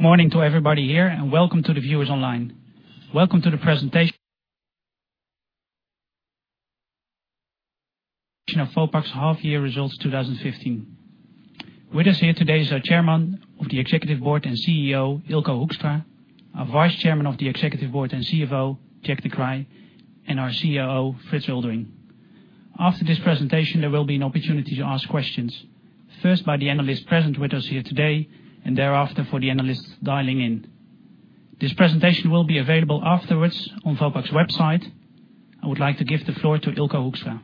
Morning to everybody here, welcome to the viewers online. Welcome to the presentation of Vopak's half-year results 2015. With us here today is our Chairman of the Executive Board and CEO, Eelco Hoekstra, our Vice Chairman of the Executive Board and CFO, Jack de Kreij, and our COO, Frits Eulderink. After this presentation, there will be an opportunity to ask questions, first by the analysts present with us here today, thereafter for the analysts dialing in. This presentation will be available afterwards on Vopak's website. I would like to give the floor to Eelco Hoekstra.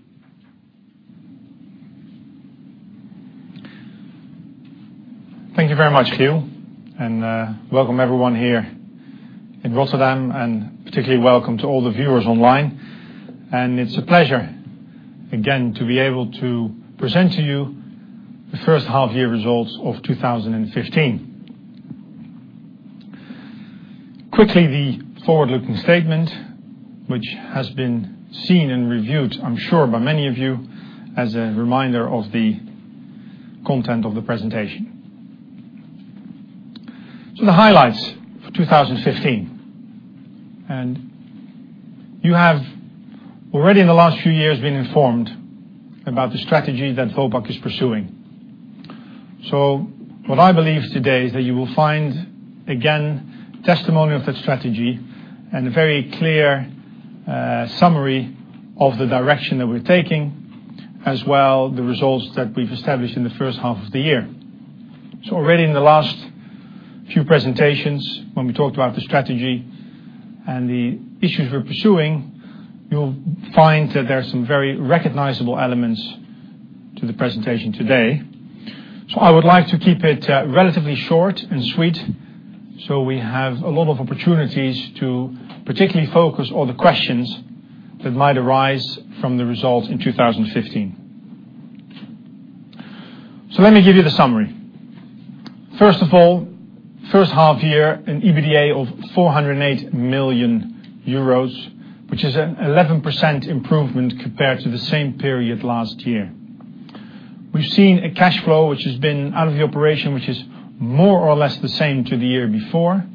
Thank you very much, Chiel, welcome everyone here in Rotterdam, particularly welcome to all the viewers online. It's a pleasure again to be able to present to you the first half-year results of 2015. Quickly, the forward-looking statement, which has been seen and reviewed, I'm sure, by many of you as a reminder of the content of the presentation. The highlights for 2015. You have already in the last few years been informed about the strategy that Vopak is pursuing. What I believe today is that you will find, again, testimony of that strategy and a very clear summary of the direction that we're taking, as well, the results that we've established in the first half of the year. Already in the last few presentations when we talked about the strategy and the issues we're pursuing, you'll find that there are some very recognizable elements to the presentation today. I would like to keep it relatively short and sweet so we have a lot of opportunities to particularly focus on the questions that might arise from the results in 2015. Let me give you the summary. First of all, first half-year, an EBITDA of 408 million euros, which is an 11% improvement compared to the same period last year. We've seen a cash flow which has been out of the operation, which is more or less the same to the year before.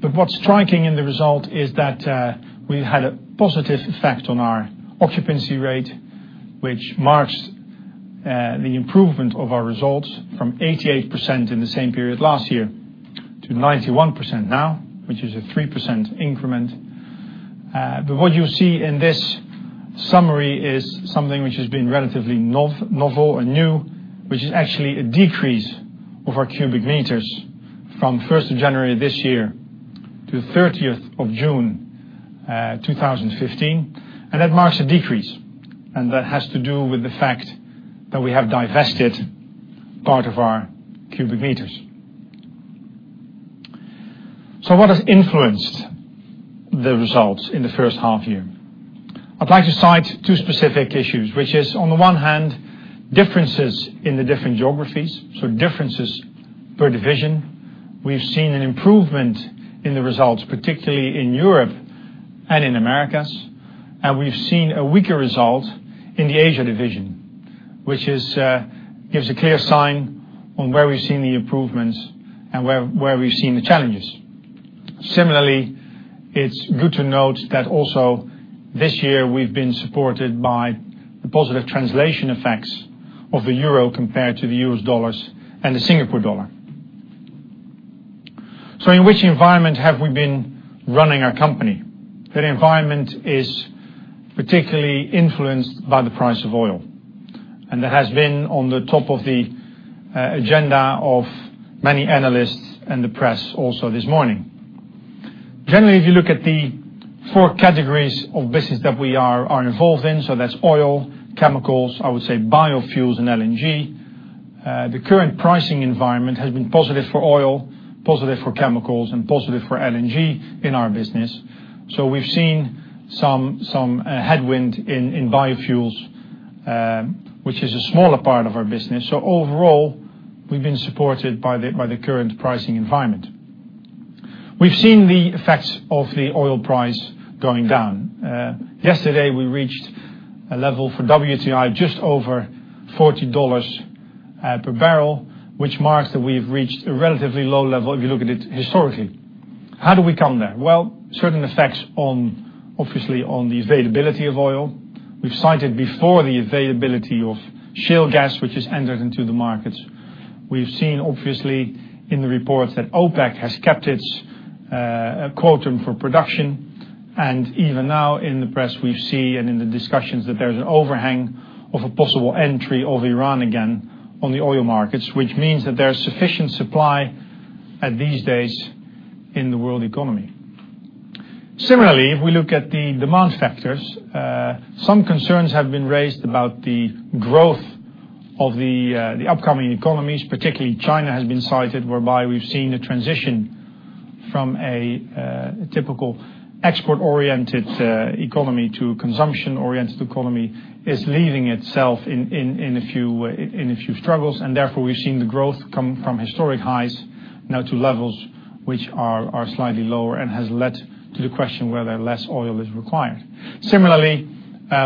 What's striking in the result is that we had a positive effect on our occupancy rate, which marks the improvement of our results from 88% in the same period last year to 91% now, which is a 3% increment. What you see in this summary is something which has been relatively novel and new, which is actually a decrease of our cubic meters from 1st of January this year to the 30th of June, 2015. That marks a decrease, that has to do with the fact that we have divested part of our cubic meters. What has influenced the results in the first half-year? I'd like to cite two specific issues, which is, on the one hand, differences in the different geographies, so differences per division. We've seen an improvement in the results, particularly in Europe and in Americas, and we've seen a weaker result in the Asia division, which gives a clear sign on where we've seen the improvements and where we've seen the challenges. Similarly, it's good to note that also this year we've been supported by the positive translation effects of the euro compared to the US dollars and the Singapore dollar. In which environment have we been running our company? That environment is particularly influenced by the price of oil, and that has been on the top of the agenda of many analysts and the press also this morning. Generally, if you look at the four categories of business that we are involved in, that's oil, chemicals, I would say biofuels and LNG. The current pricing environment has been positive for oil, positive for chemicals, and positive for LNG in our business. We've seen some headwind in biofuels, which is a smaller part of our business. Overall, we've been supported by the current pricing environment. We've seen the effects of the oil price going down. Yesterday we reached a level for WTI just over $40 per barrel, which marks that we've reached a relatively low level if you look at it historically. How do we come there? Well, certain effects, obviously, on the availability of oil. We've cited before the availability of shale gas, which has entered into the markets. We've seen, obviously, in the reports that OPEC has kept its quota for production. Even now in the press we see, and in the discussions, that there's an overhang of a possible entry of Iran again on the oil markets, which means that there is sufficient supply at these days in the world economy. Similarly, if we look at the demand factors, some concerns have been raised about the growth of the upcoming economies. Particularly China has been cited, whereby we've seen a transition from a typical export-oriented economy to a consumption-oriented economy, is leaving itself in a few struggles. Therefore, we've seen the growth come from historic highs now to levels which are slightly lower and has led to the question whether less oil is required. Similarly,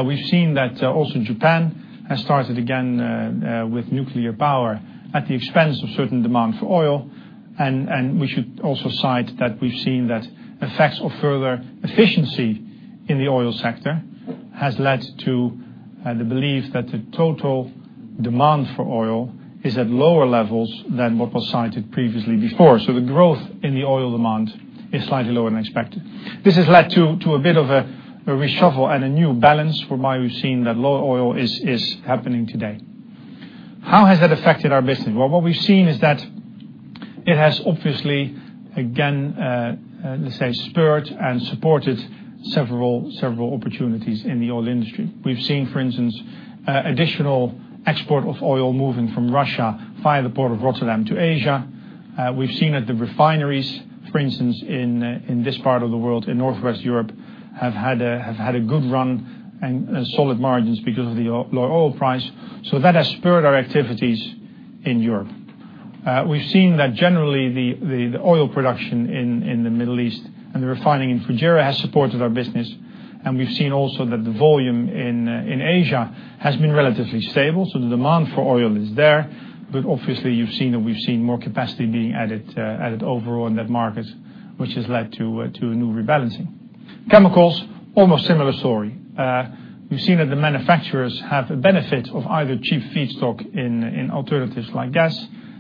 we've seen that also Japan has started again with nuclear power at the expense of certain demand for oil. We should also cite that we've seen that effects of further efficiency in the oil sector has led to the belief that the total demand for oil is at lower levels than what was cited previously before. The growth in the oil demand is slightly lower than expected. This has led to a bit of a reshuffle and a new balance, whereby we've seen that low oil is happening today. How has that affected our business? Well, what we've seen is that it has, obviously, again, let's say, spurred and supported several opportunities in the oil industry. We've seen, for instance, additional export of oil moving from Russia via the Port of Rotterdam to Asia. We've seen that the refineries, for instance, in this part of the world, in Northwest Europe, have had a good run and solid margins because of the low oil price. That has spurred our activities in Europe. We've seen that generally, the oil production in the Middle East and the refining in Fujairah has supported our business. We've seen also that the volume in Asia has been relatively stable. The demand for oil is there, but obviously, you've seen that we've seen more capacity being added overall in that market, which has led to a new rebalancing. Chemicals, almost similar story. We've seen that the manufacturers have a benefit of either cheap feedstock in alternatives like gas.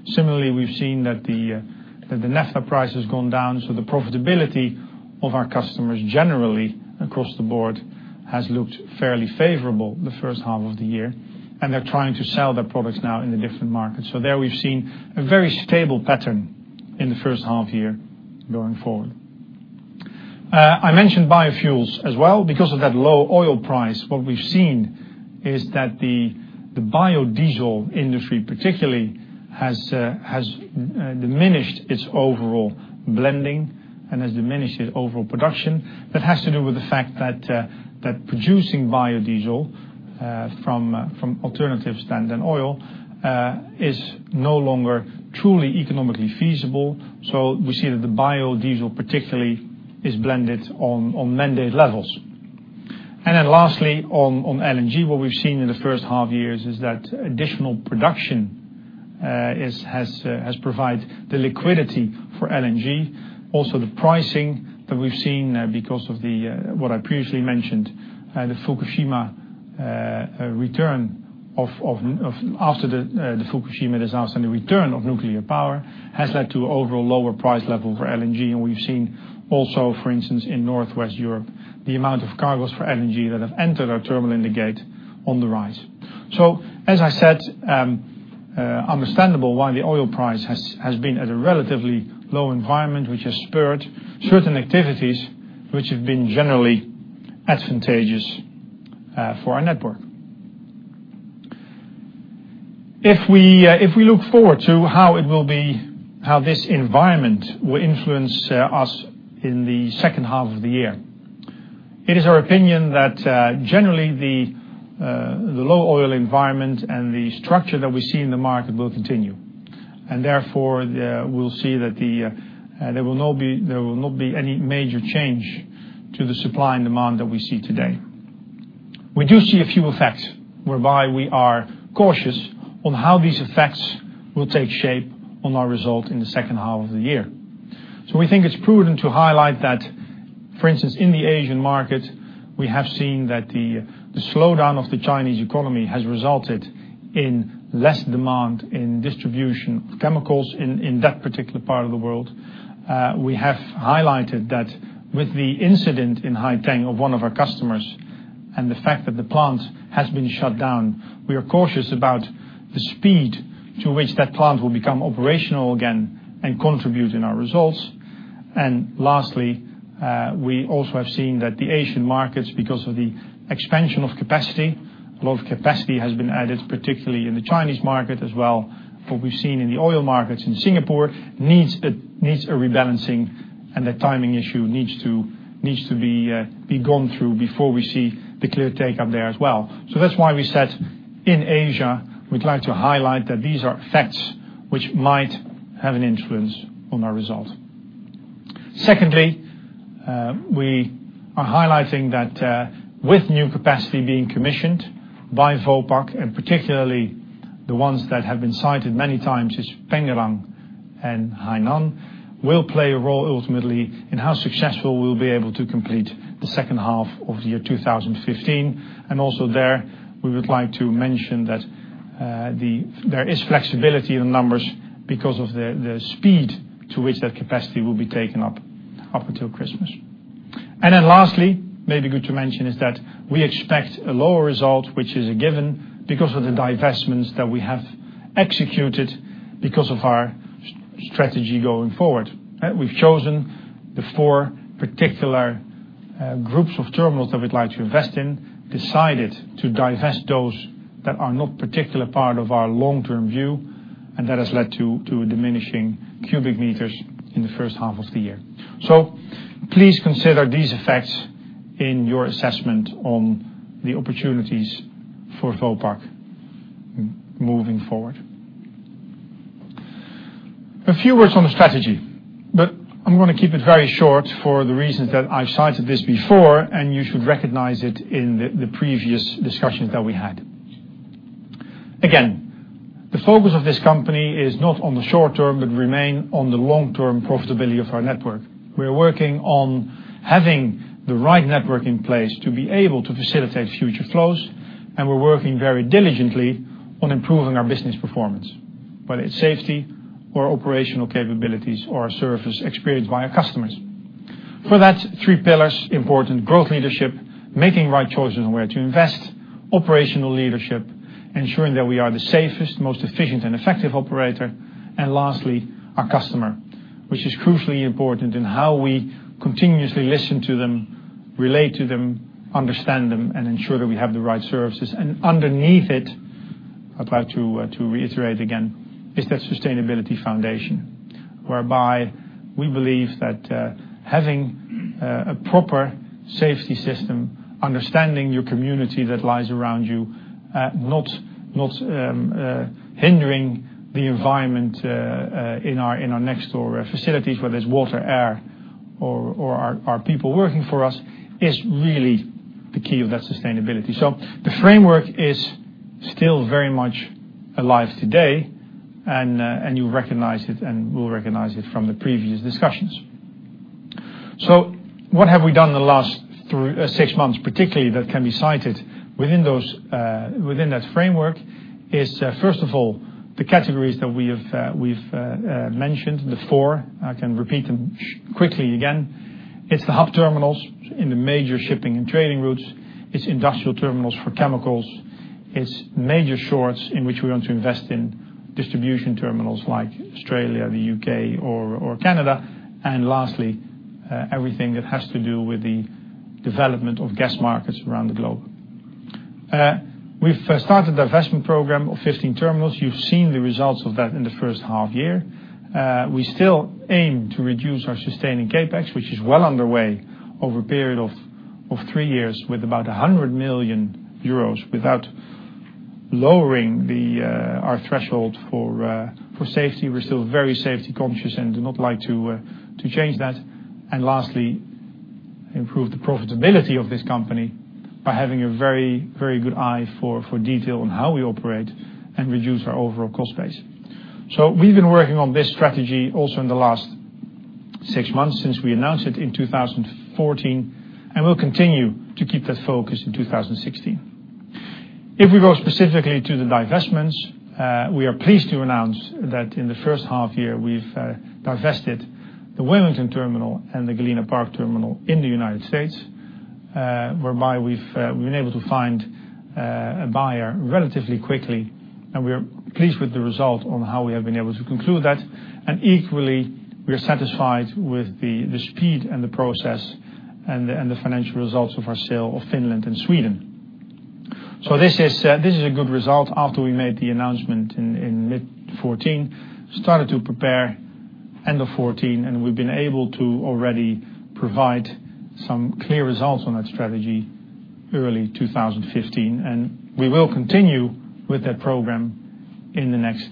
Similarly, we've seen that the naphtha price has gone down, the profitability of our customers generally across the board has looked fairly favorable the first half of the year, and they're trying to sell their products now in the different markets. There we've seen a very stable pattern in the first half year going forward. I mentioned biofuels as well. Because of that low oil price, what we've seen is that the biodiesel industry particularly has diminished its overall blending and has diminished its overall production. That has to do with the fact that producing biodiesel from alternatives than oil is no longer truly economically feasible. We see that the biodiesel particularly is blended on mandate levels. Lastly, on LNG, what we've seen in the first half years is that additional production has provide the liquidity for LNG. Also, the pricing that we've seen because of the, what I previously mentioned, after the Fukushima disaster, the return of nuclear power has led to overall lower price level for LNG. We've seen also, for instance, in Northwest Europe, the amount of cargoes for LNG that have entered our terminal in the Gate terminal on the rise. As I said, understandable why the oil price has been at a relatively low environment, which has spurred certain activities which have been generally advantageous for our network. If we look forward to how this environment will influence us in the second half of the year, it is our opinion that generally, the low oil environment and the structure that we see in the market will continue. Therefore, we'll see that there will not be any major change to the supply and demand that we see today. We do see a few effects whereby we are cautious on how these effects will take shape on our result in the second half of the year. We think it's prudent to highlight that, for instance, in the Asian market, we have seen that the slowdown of the Chinese economy has resulted in less demand in distribution of chemicals in that particular part of the world. We have highlighted that with the incident in Haiteng of one of our customers and the fact that the plant has been shut down, we are cautious about the speed to which that plant will become operational again and contribute in our results. Lastly, we also have seen that the Asian markets, because of the expansion of capacity, a lot of capacity has been added, particularly in the Chinese market as well. What we've seen in the oil markets in Singapore needs a rebalancing, that timing issue needs to be gone through before we see the clear take-up there as well. That's why we said in Asia, we'd like to highlight that these are effects which might have an influence on our result. Secondly, we are highlighting that with new capacity being commissioned by Vopak, particularly the ones that have been cited many times is Pengerang and Haiteng, will play a role ultimately in how successful we'll be able to complete the second half of the year 2015. Also there, we would like to mention that there is flexibility in numbers because of the speed to which that capacity will be taken up until Christmas. Then lastly, maybe good to mention is that we expect a lower result, which is a given because of the divestments that we have executed because of our strategy going forward. We've chosen the 4 particular groups of terminals that we'd like to invest in, decided to divest those that are not particular part of our long-term view, that has led to diminishing cubic meters in the first half of the year. Please consider these effects in your assessment on the opportunities for Vopak. Moving forward. A few words on the strategy, I'm going to keep it very short for the reasons that I've cited this before, you should recognize it in the previous discussions that we had. Again, the focus of this company is not on the short term, but remain on the long-term profitability of our network. We're working on having the right network in place to be able to facilitate future flows, we're working very diligently on improving our business performance, whether it's safety or operational capabilities or service experience by our customers. For that, 3 pillars, important growth leadership, making right choices on where to invest, operational leadership, ensuring that we are the safest, most efficient, and effective operator, and lastly, our customer, which is crucially important in how we continuously listen to them, relate to them, understand them, and ensure that we have the right services. Underneath it, I'd like to reiterate again, is that sustainability foundation, whereby we believe that having a proper safety system, understanding your community that lies around you, not hindering the environment in our next door facilities, whether it's water, air, or our people working for us, is really the key of that sustainability. The framework is still very much alive today, you recognize it and will recognize it from the previous discussions. What have we done the last 6 months, particularly that can be cited within that framework is, first of all, the categories that we've mentioned before. I can repeat them quickly again. It's the hub terminals in the major shipping and trading routes. It's industrial terminals for chemicals. It's major shorts in which we want to invest in distribution terminals like Australia, the U.K., or Canada. Lastly, everything that has to do with the development of gas markets around the globe. We've started the investment program of 15 terminals. You've seen the results of that in the first half year. We still aim to reduce our sustaining CapEx, which is well underway over a period of three years with about 100 million euros without lowering our threshold for safety. We're still very safety conscious and do not like to change that. Lastly, improve the profitability of this company by having a very good eye for detail on how we operate and reduce our overall cost base. We've been working on this strategy also in the last six months since we announced it in 2014, and we'll continue to keep that focus in 2016. If we go specifically to the divestments, we are pleased to announce that in the first half year we've divested the Wilmington Terminal and the Galena Park Terminal in the United States, whereby we've been able to find a buyer relatively quickly, and we are pleased with the result on how we have been able to conclude that. Equally, we are satisfied with the speed and the process and the financial results of our sale of Finland and Sweden. This is a good result after we made the announcement in mid 2014, started to prepare end of 2014, and we've been able to already provide some clear results on that strategy early 2015. We will continue with that program in the next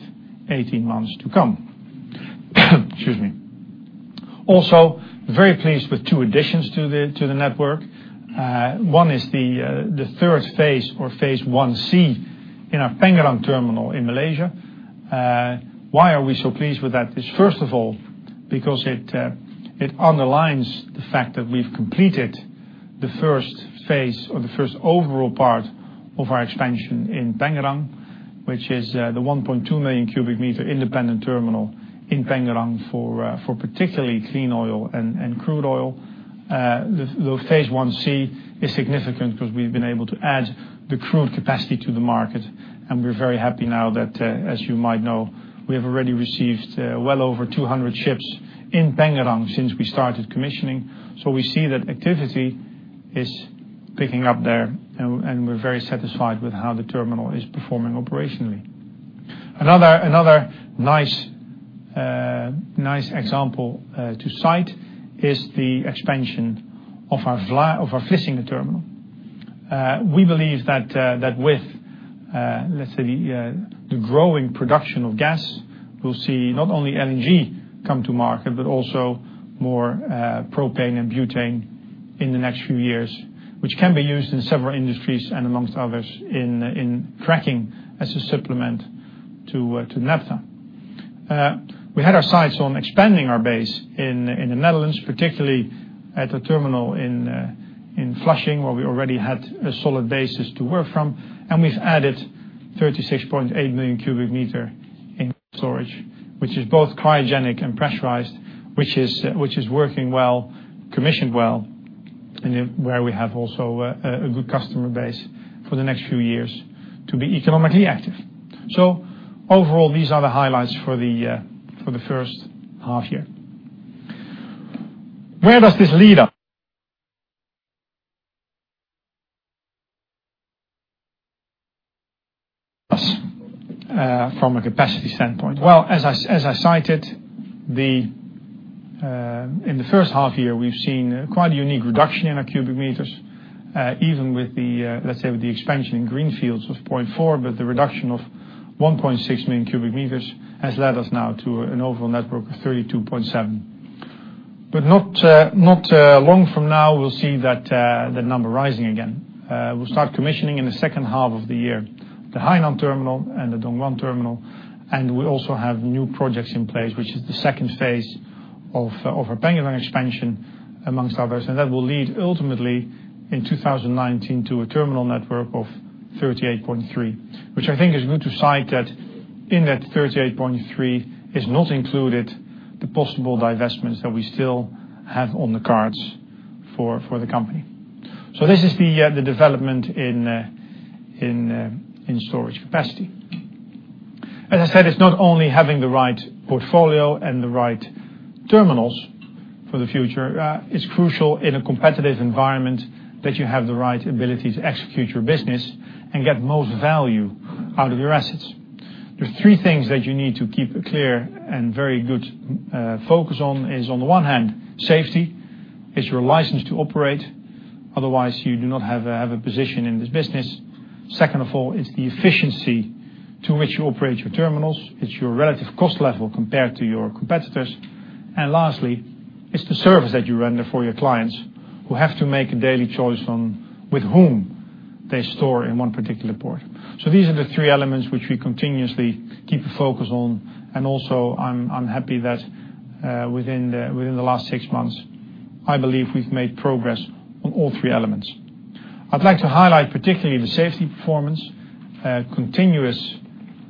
18 months to come. Excuse me. Also, very pleased with two additions to the network. One is the third phase or phase 1C in our Pengerang terminal in Malaysia. Why are we so pleased with that? It's first of all, because it underlines the fact that we've completed the first phase or the first overall part of our expansion in Pengerang, which is the 1.2 million cubic meter independent terminal in Pengerang for particularly clean oil and crude oil. The phase 1C is significant because we've been able to add the crude capacity to the market, and we're very happy now that, as you might know, we have already received well over 200 ships in Pengerang since we started commissioning. We see that activity is picking up there, and we're very satisfied with how the terminal is performing operationally. Another nice example to cite is the expansion of our Vlissingen terminal. We believe that with, let's say, the growing production of gas, we'll see not only LNG come to market, but also more propane and butane in the next few years, which can be used in several industries and amongst others in cracking as a supplement to naphtha. We had our sights on expanding our base in the Netherlands, particularly at the terminal in Flushing, where we already had a solid basis to work from. We've added 36.8 million cubic meter in storage, which is both cryogenic and pressurized, which is working well, commissioned well, and where we have also a good customer base for the next few years to be economically active. Overall, these are the highlights for the first half year. Where does this lead us? From a capacity standpoint? As I cited, in the first half year, we've seen quite a unique reduction in our cubic meters, even with the expansion in green fields of 0.4, the reduction of 1.6 million cubic meters has led us now to an overall network of 32.7. Not long from now, we'll see that number rising again. We'll start commissioning in the second half of the year, the Haiteng terminal and the Dongguan terminal. We also have new projects in place, which is the second phase of our Pengerang expansion, amongst others. That will lead ultimately, in 2019, to a terminal network of 38.3. Which I think is good to cite that in that 38.3 is not included the possible divestments that we still have on the cards for the company. This is the development in storage capacity. As I said, it's not only having the right portfolio and the right terminals for the future, it's crucial in a competitive environment that you have the right ability to execute your business and get the most value out of your assets. There are three things that you need to keep a clear and very good focus on. On the one hand, safety is your license to operate, otherwise you do not have a position in this business. Second of all is the efficiency to which you operate your terminals. It's your relative cost level compared to your competitors. Lastly, it's the service that you render for your clients who have to make a daily choice on with whom they store in one particular port. These are the three elements which we continuously keep a focus on. Also, I'm happy that within the last six months, I believe we've made progress on all three elements. I'd like to highlight particularly the safety performance, continuous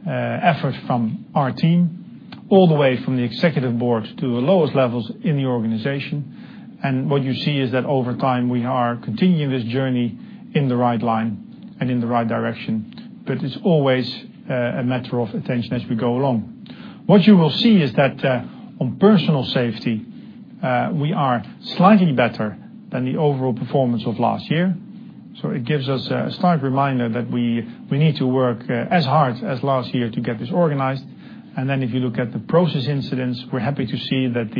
effort from our team, all the way from the executive board to the lowest levels in the organization. What you see is that over time, we are continuing this journey in the right line and in the right direction, but it's always a matter of attention as we go along. What you will see is that on personal safety, we are slightly better than the overall performance of last year. It gives us a slight reminder that we need to work as hard as last year to get this organized. If you look at the process incidents, we're happy to see that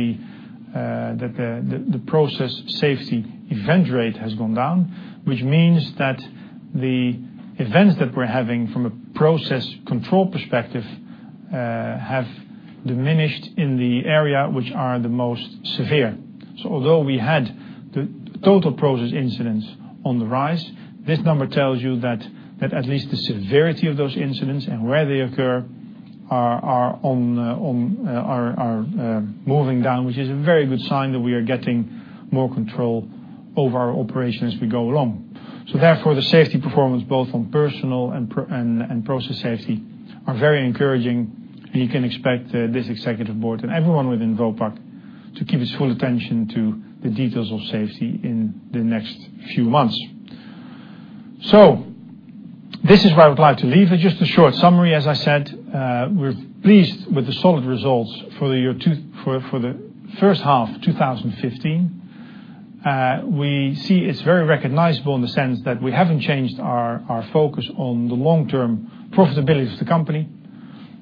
the process safety event rate has gone down, which means that the events that we're having from a process control perspective have diminished in the area which are the most severe. Although we had the total process incidents on the rise, this number tells you that at least the severity of those incidents and where they occur are moving down, which is a very good sign that we are getting more control over our operation as we go along. Therefore, the safety performance, both on personal and process safety, are very encouraging, and you can expect this executive board and everyone within Vopak to keep its full attention to the details of safety in the next few months. This is where I would like to leave it. Just a short summary, as I said. We're pleased with the solid results for the first half of 2015. We see it's very recognizable in the sense that we haven't changed our focus on the long-term profitability of the company,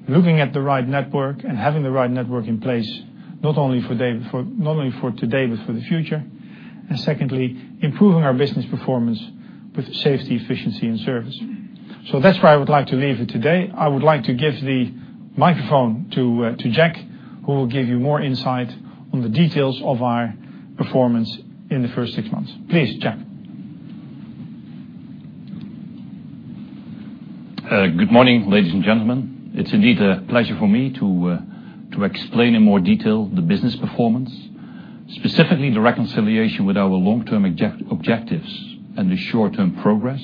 looking at the right network and having the right network in place, not only for today, but for the future. Secondly, improving our business performance with safety, efficiency, and service. That's where I would like to leave it today. I would like to give the microphone to Jack, who will give you more insight on the details of our performance in the first six months. Please, Jack. Good morning, ladies and gentlemen. It's indeed a pleasure for me to explain in more detail the business performance, specifically the reconciliation with our long-term objectives and the short-term progress,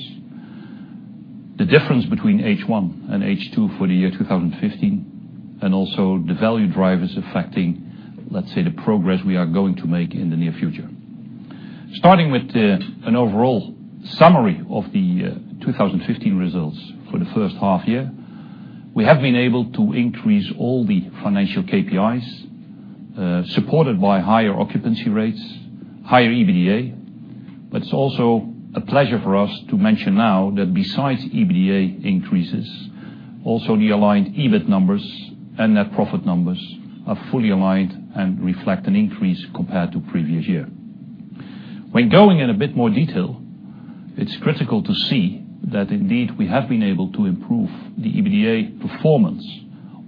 the difference between H1 and H2 for the year 2015, and also the value drivers affecting, let's say, the progress we are going to make in the near future. Starting with an overall summary of the 2015 results for the first half year. We have been able to increase all the financial KPIs, supported by higher occupancy rates, higher EBITDA. It's also a pleasure for us to mention now that besides EBITDA increases, also the aligned EBIT numbers and net profit numbers are fully aligned and reflect an increase compared to the previous year. When going in a bit more detail, it's critical to see that indeed we have been able to improve the EBITDA performance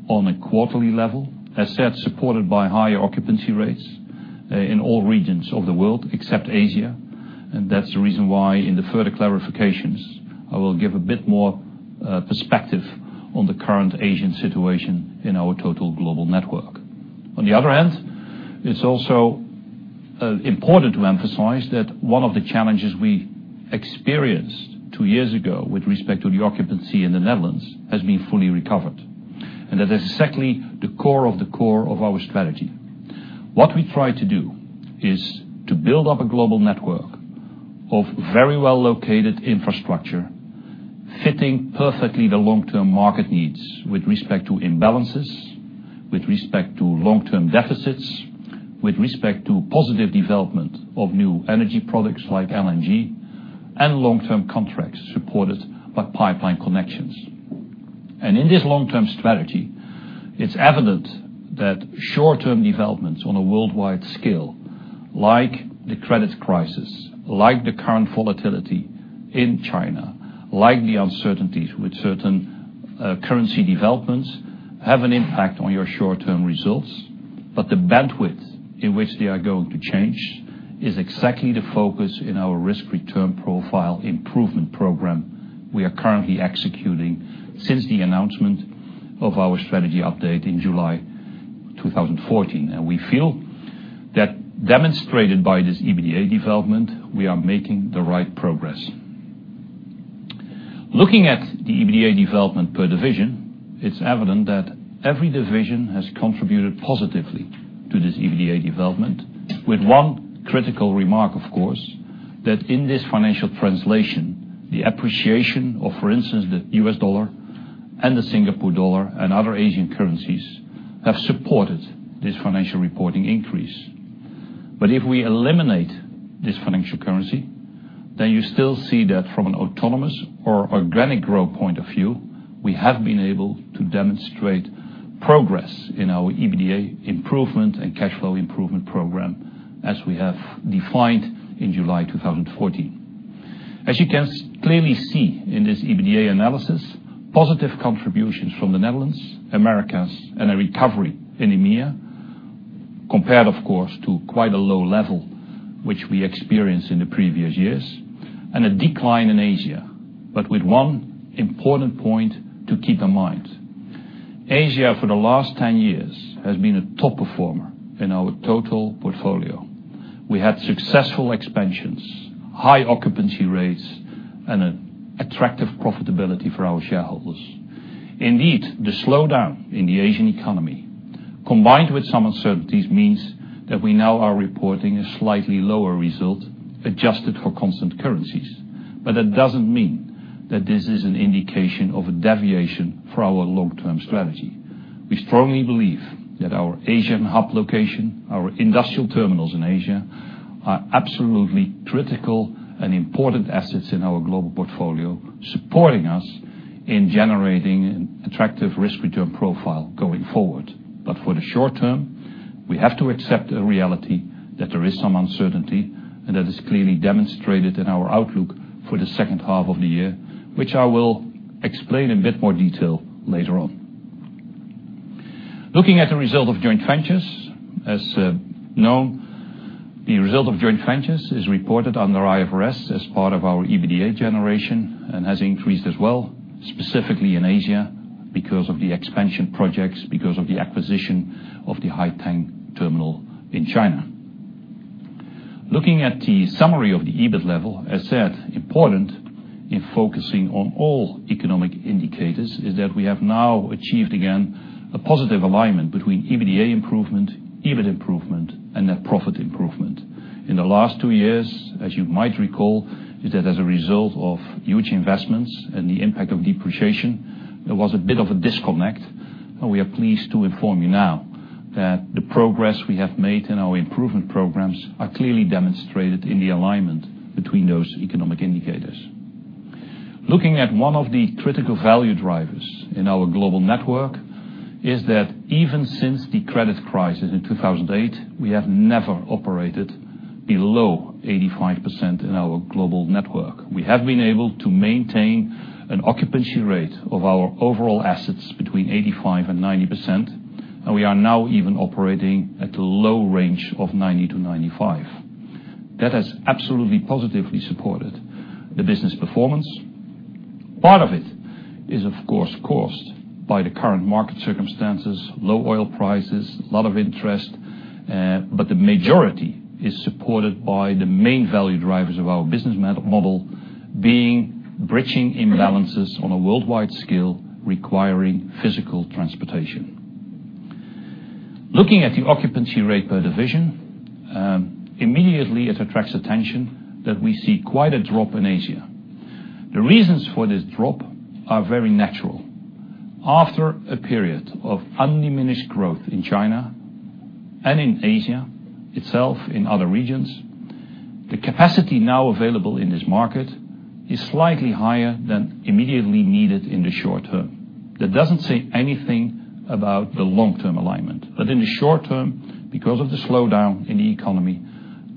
on a quarterly level, as said, supported by higher occupancy rates in all regions of the world except Asia. That's the reason why in the further clarifications, I will give a bit more perspective on the current Asian situation in our total global network. On the other hand, it's also important to emphasize that one of the challenges we experienced two years ago with respect to the occupancy in the Netherlands has been fully recovered. That is exactly the core of the core of our strategy. What we try to do is to build up a global network of very well-located infrastructure fitting perfectly the long-term market needs with respect to imbalances, with respect to long-term deficits, with respect to positive development of new energy products like LNG, and long-term contracts supported by pipeline connections. In this long-term strategy, it's evident that short-term developments on a worldwide scale, like the credit crisis, like the current volatility in China, like the uncertainties with certain currency developments, have an impact on your short-term results. The bandwidth in which they are going to change is exactly the focus in our risk-return profile improvement program we are currently executing since the announcement of our strategy update in July 2014. We feel that, demonstrated by this EBITDA development, we are making the right progress. Looking at the EBITDA development per division, it is evident that every division has contributed positively to this EBITDA development. With one critical remark, of course, that in this financial translation, the appreciation of, for instance, the US dollar and the Singapore dollar and other Asian currencies have supported this financial reporting increase. If we eliminate this financial currency, you still see that from an autonomous or organic growth point of view, we have been able to demonstrate progress in our EBITDA improvement and cash flow improvement program, as we have defined in July 2014. As you can clearly see in this EBITDA analysis, positive contributions from the Netherlands, Americas, and a recovery in EMEA, compared of course to quite a low level which we experienced in the previous years, and a decline in Asia. With one important point to keep in mind. Asia, for the last 10 years, has been a top performer in our total portfolio. We had successful expansions, high occupancy rates, and an attractive profitability for our shareholders. Indeed, the slowdown in the Asian economy, combined with some uncertainties, means that we now are reporting a slightly lower result, adjusted for constant currencies. That doesn't mean that this is an indication of a deviation for our long-term strategy. We strongly believe that our Asian hub location, our industrial terminals in Asia, are absolutely critical and important assets in our global portfolio, supporting us in generating an attractive risk-return profile going forward. For the short term, we have to accept a reality that there is some uncertainty, and that is clearly demonstrated in our outlook for the second half of the year, which I will explain in a bit more detail later on. Looking at the result of joint ventures, as known, the result of joint ventures is reported under IFRS as part of our EBITDA generation and has increased as well, specifically in Asia, because of the expansion projects, because of the acquisition of the Haiteng terminal in China. Looking at the summary of the EBIT level, as said, important in focusing on all economic indicators is that we have now achieved, again, a positive alignment between EBITDA improvement, EBIT improvement, and net profit improvement. In the last 2 years, as you might recall, is that as a result of huge investments and the impact of depreciation, there was a bit of a disconnect. We are pleased to inform you now that the progress we have made in our improvement programs are clearly demonstrated in the alignment between those economic indicators. Looking at one of the critical value drivers in our global network is that even since the credit crisis in 2008, we have never operated below 85% in our global network. We have been able to maintain an occupancy rate of our overall assets between 85%-90%, and we are now even operating at the low range of 90%-95%. That has absolutely positively supported the business performance. Part of it is, of course, caused by the current market circumstances, low oil prices, lot of interest, the majority is supported by the main value drivers of our business model, being bridging imbalances on a worldwide scale requiring physical transportation. Looking at the occupancy rate per division, immediately it attracts attention that we see quite a drop in Asia. The reasons for this drop are very natural. After a period of undiminished growth in China and in Asia itself, in other regions, the capacity now available in this market is slightly higher than immediately needed in the short term. That doesn't say anything about the long-term alignment. In the short term, because of the slowdown in the economy,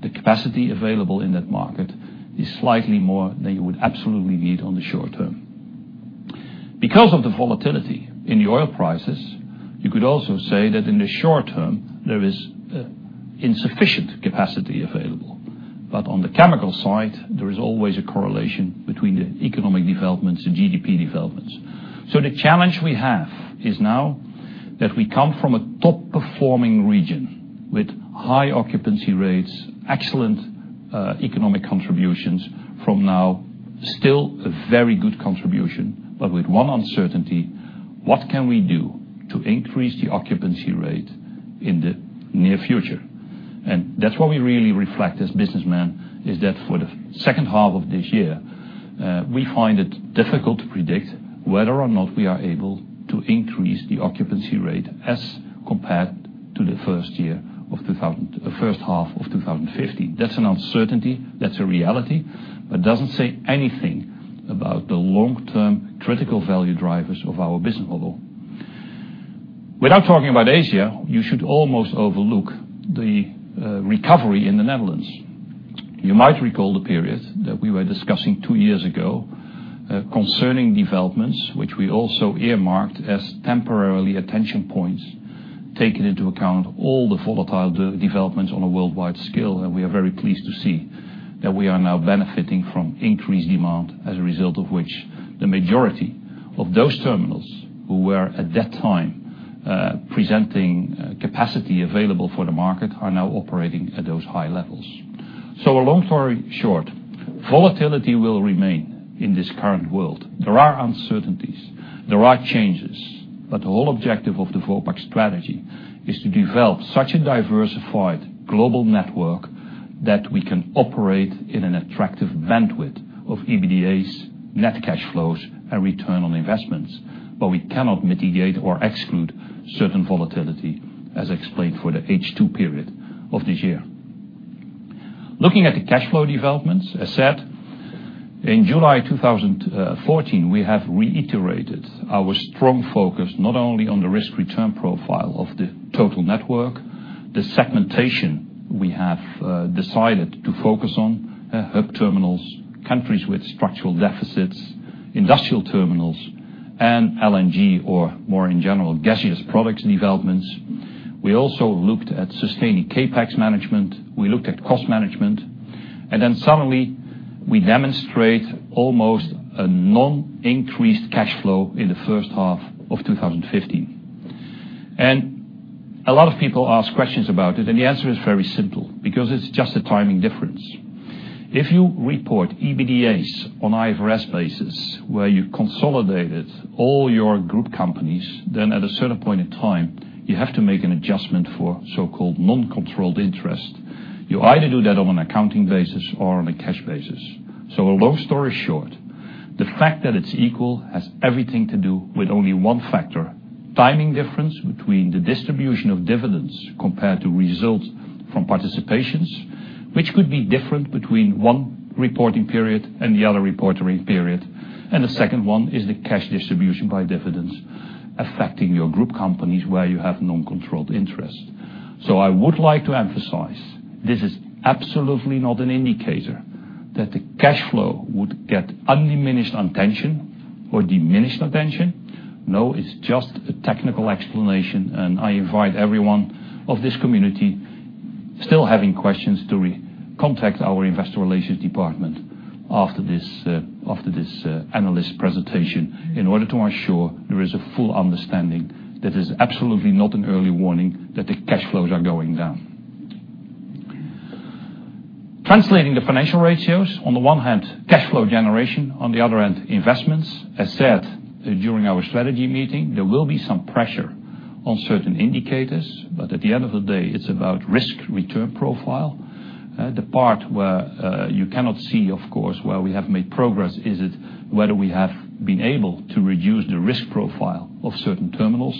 the capacity available in that market is slightly more than you would absolutely need on the short term. Because of the volatility in the oil prices, you could also say that in the short term there is insufficient capacity available. On the chemical side, there is always a correlation between the economic developments, the GDP developments. The challenge we have is now that we come from a top-performing region with high occupancy rates, excellent economic contributions, from now still a very good contribution, but with one uncertainty: What can we do to increase the occupancy rate in the near future? That's why we really reflect as businessmen, is that for the second half of this year, we find it difficult to predict whether or not we are able to increase the occupancy rate as compared to the first half of 2015. That's an uncertainty. That's a reality, doesn't say anything about the long-term critical value drivers of our business model. Without talking about Asia, you should almost overlook the recovery in the Netherlands. You might recall the period that we were discussing two years ago, concerning developments, which we also earmarked as temporarily attention points, taking into account all the volatile developments on a worldwide scale. We are very pleased to see that we are now benefiting from increased demand, as a result of which the majority of those terminals who were at that time presenting capacity available for the market, are now operating at those high levels. A long story short, volatility will remain in this current world. There are uncertainties, there are changes. The whole objective of the Vopak strategy is to develop such a diversified global network that we can operate in an attractive bandwidth of EBITDAs, net cash flows and return on investments. We cannot mitigate or exclude certain volatility, as explained for the H2 period of this year. Looking at the cash flow developments, as said in July 2014, we have reiterated our strong focus not only on the risk-return profile of the total network, the segmentation we have decided to focus on, hub terminals, countries with structural deficits, industrial terminals and LNG or more in general, gaseous products developments. We also looked at sustaining CapEx management. We looked at cost management, suddenly we demonstrate almost a non-increased cash flow in the first half of 2015. A lot of people ask questions about it. The answer is very simple, because it's just a timing difference. If you report EBITDAs on IFRS basis where you consolidated all your group companies, at a certain point in time you have to make an adjustment for so-called non-controlled interest. You either do that on an accounting basis or on a cash basis. A long story short, the fact that it's equal has everything to do with only one factor, timing difference between the distribution of dividends compared to results from participations, which could be different between one reporting period and the other reporting period. The second one is the cash distribution by dividends affecting your group companies where you have non-controlled interest. I would like to emphasize, this is absolutely not an indicator that the cash flow would get undiminished attention or diminished attention. It's just a technical explanation, and I invite everyone of this community still having questions, to contact our Investor Relations department after this Analyst Day presentation in order to ensure there is a full understanding that is absolutely not an early warning that the cash flows are going down. Translating the financial ratios, on the one hand, cash flow generation, on the other hand investments. As said during our strategy meeting, there will be some pressure on certain indicators, but at the end of the day, it's about risk return profile. The part where you cannot see, of course, where we have made progress, is it whether we have been able to reduce the risk profile of certain terminals.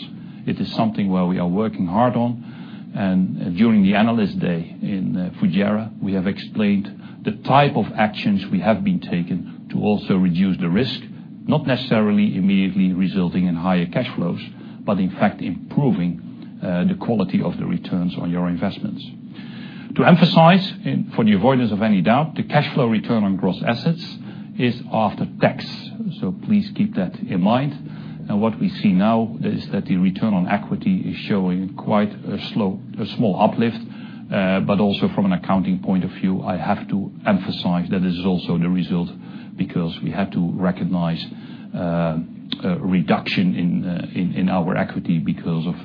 It is something where we are working hard on, and during the Analyst Day in Fujairah, we have explained the type of actions we have been taking to also reduce the risk, not necessarily immediately resulting in higher cash flows, but in fact improving the quality of the returns on your investments. To emphasize, for the avoidance of any doubt, the cash flow return on gross assets is after tax, so please keep that in mind. What we see now is that the return on equity is showing quite a small uplift. Also from an accounting point of view, I have to emphasize that this is also the result because we have to recognize a reduction in our equity because of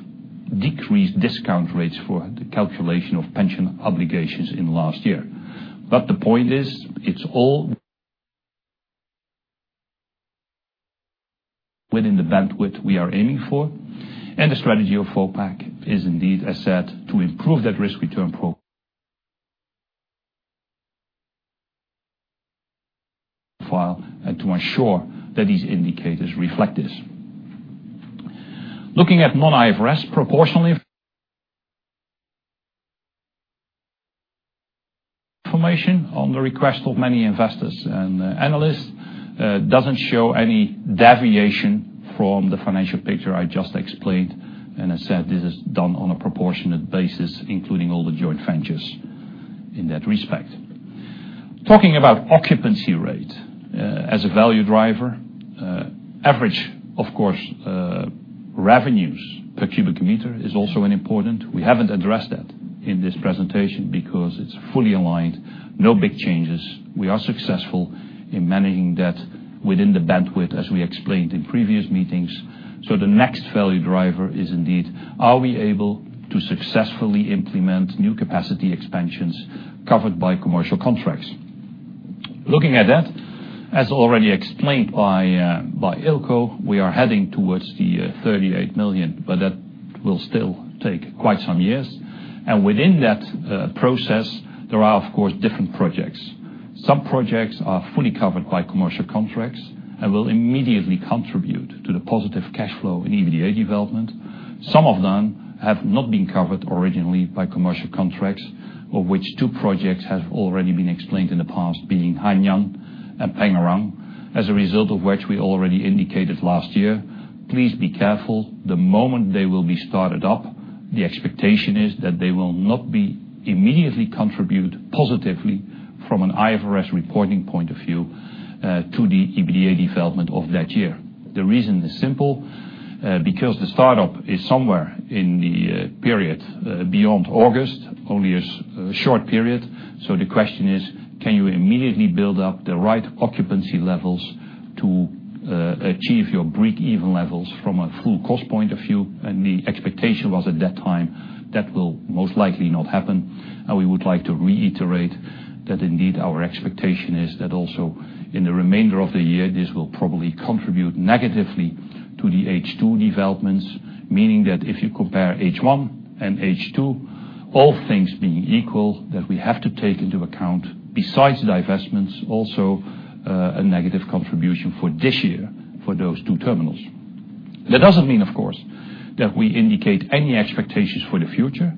decreased discount rates for the calculation of pension obligations in last year. The point is, it's all within the bandwidth we are aiming for, and the strategy of Vopak is indeed asset to improve that risk return profile and to ensure that these indicators reflect this. Looking at non-IFRS proportionally information on the request of many investors and analysts, doesn't show any deviation from the financial picture I just explained. I said this is done on a proportionate basis, including all the joint ventures in that respect. Talking about occupancy rate as a value driver. Average, of course, revenues per cubic meter is also an important. We haven't addressed that in this presentation because it's fully aligned. No big changes. We are successful in managing that within the bandwidth as we explained in previous meetings. The next value driver is indeed, are we able to successfully implement new capacity expansions covered by commercial contracts? Looking at that, as already explained by Eelco, we are heading towards the 38 million, but that will still take quite some years. Within that process, there are of course different projects. Some projects are fully covered by commercial contracts and will immediately contribute to the positive cash flow in EBITDA development. Some of them have not been covered originally by commercial contracts, of which two projects have already been explained in the past, being Haiteng and Pengerang, as a result of which we already indicated last year. Please be careful. The moment they will be started up, the expectation is that they will not immediately contribute positively from an IFRS reporting point of view to the EBITDA development of that year. The reason is simple. The startup is somewhere in the period beyond August, only a short period. The question is, can you immediately build up the right occupancy levels to achieve your break-even levels from a full cost point of view? The expectation was at that time, that will most likely not happen. We would like to reiterate that indeed our expectation is that also in the remainder of the year, this will probably contribute negatively to the H2 developments, meaning that if you compare H1 and H2, all things being equal, that we have to take into account, besides the divestments, also a negative contribution for this year for those two terminals. That doesn't mean, of course, that we indicate any expectations for the future.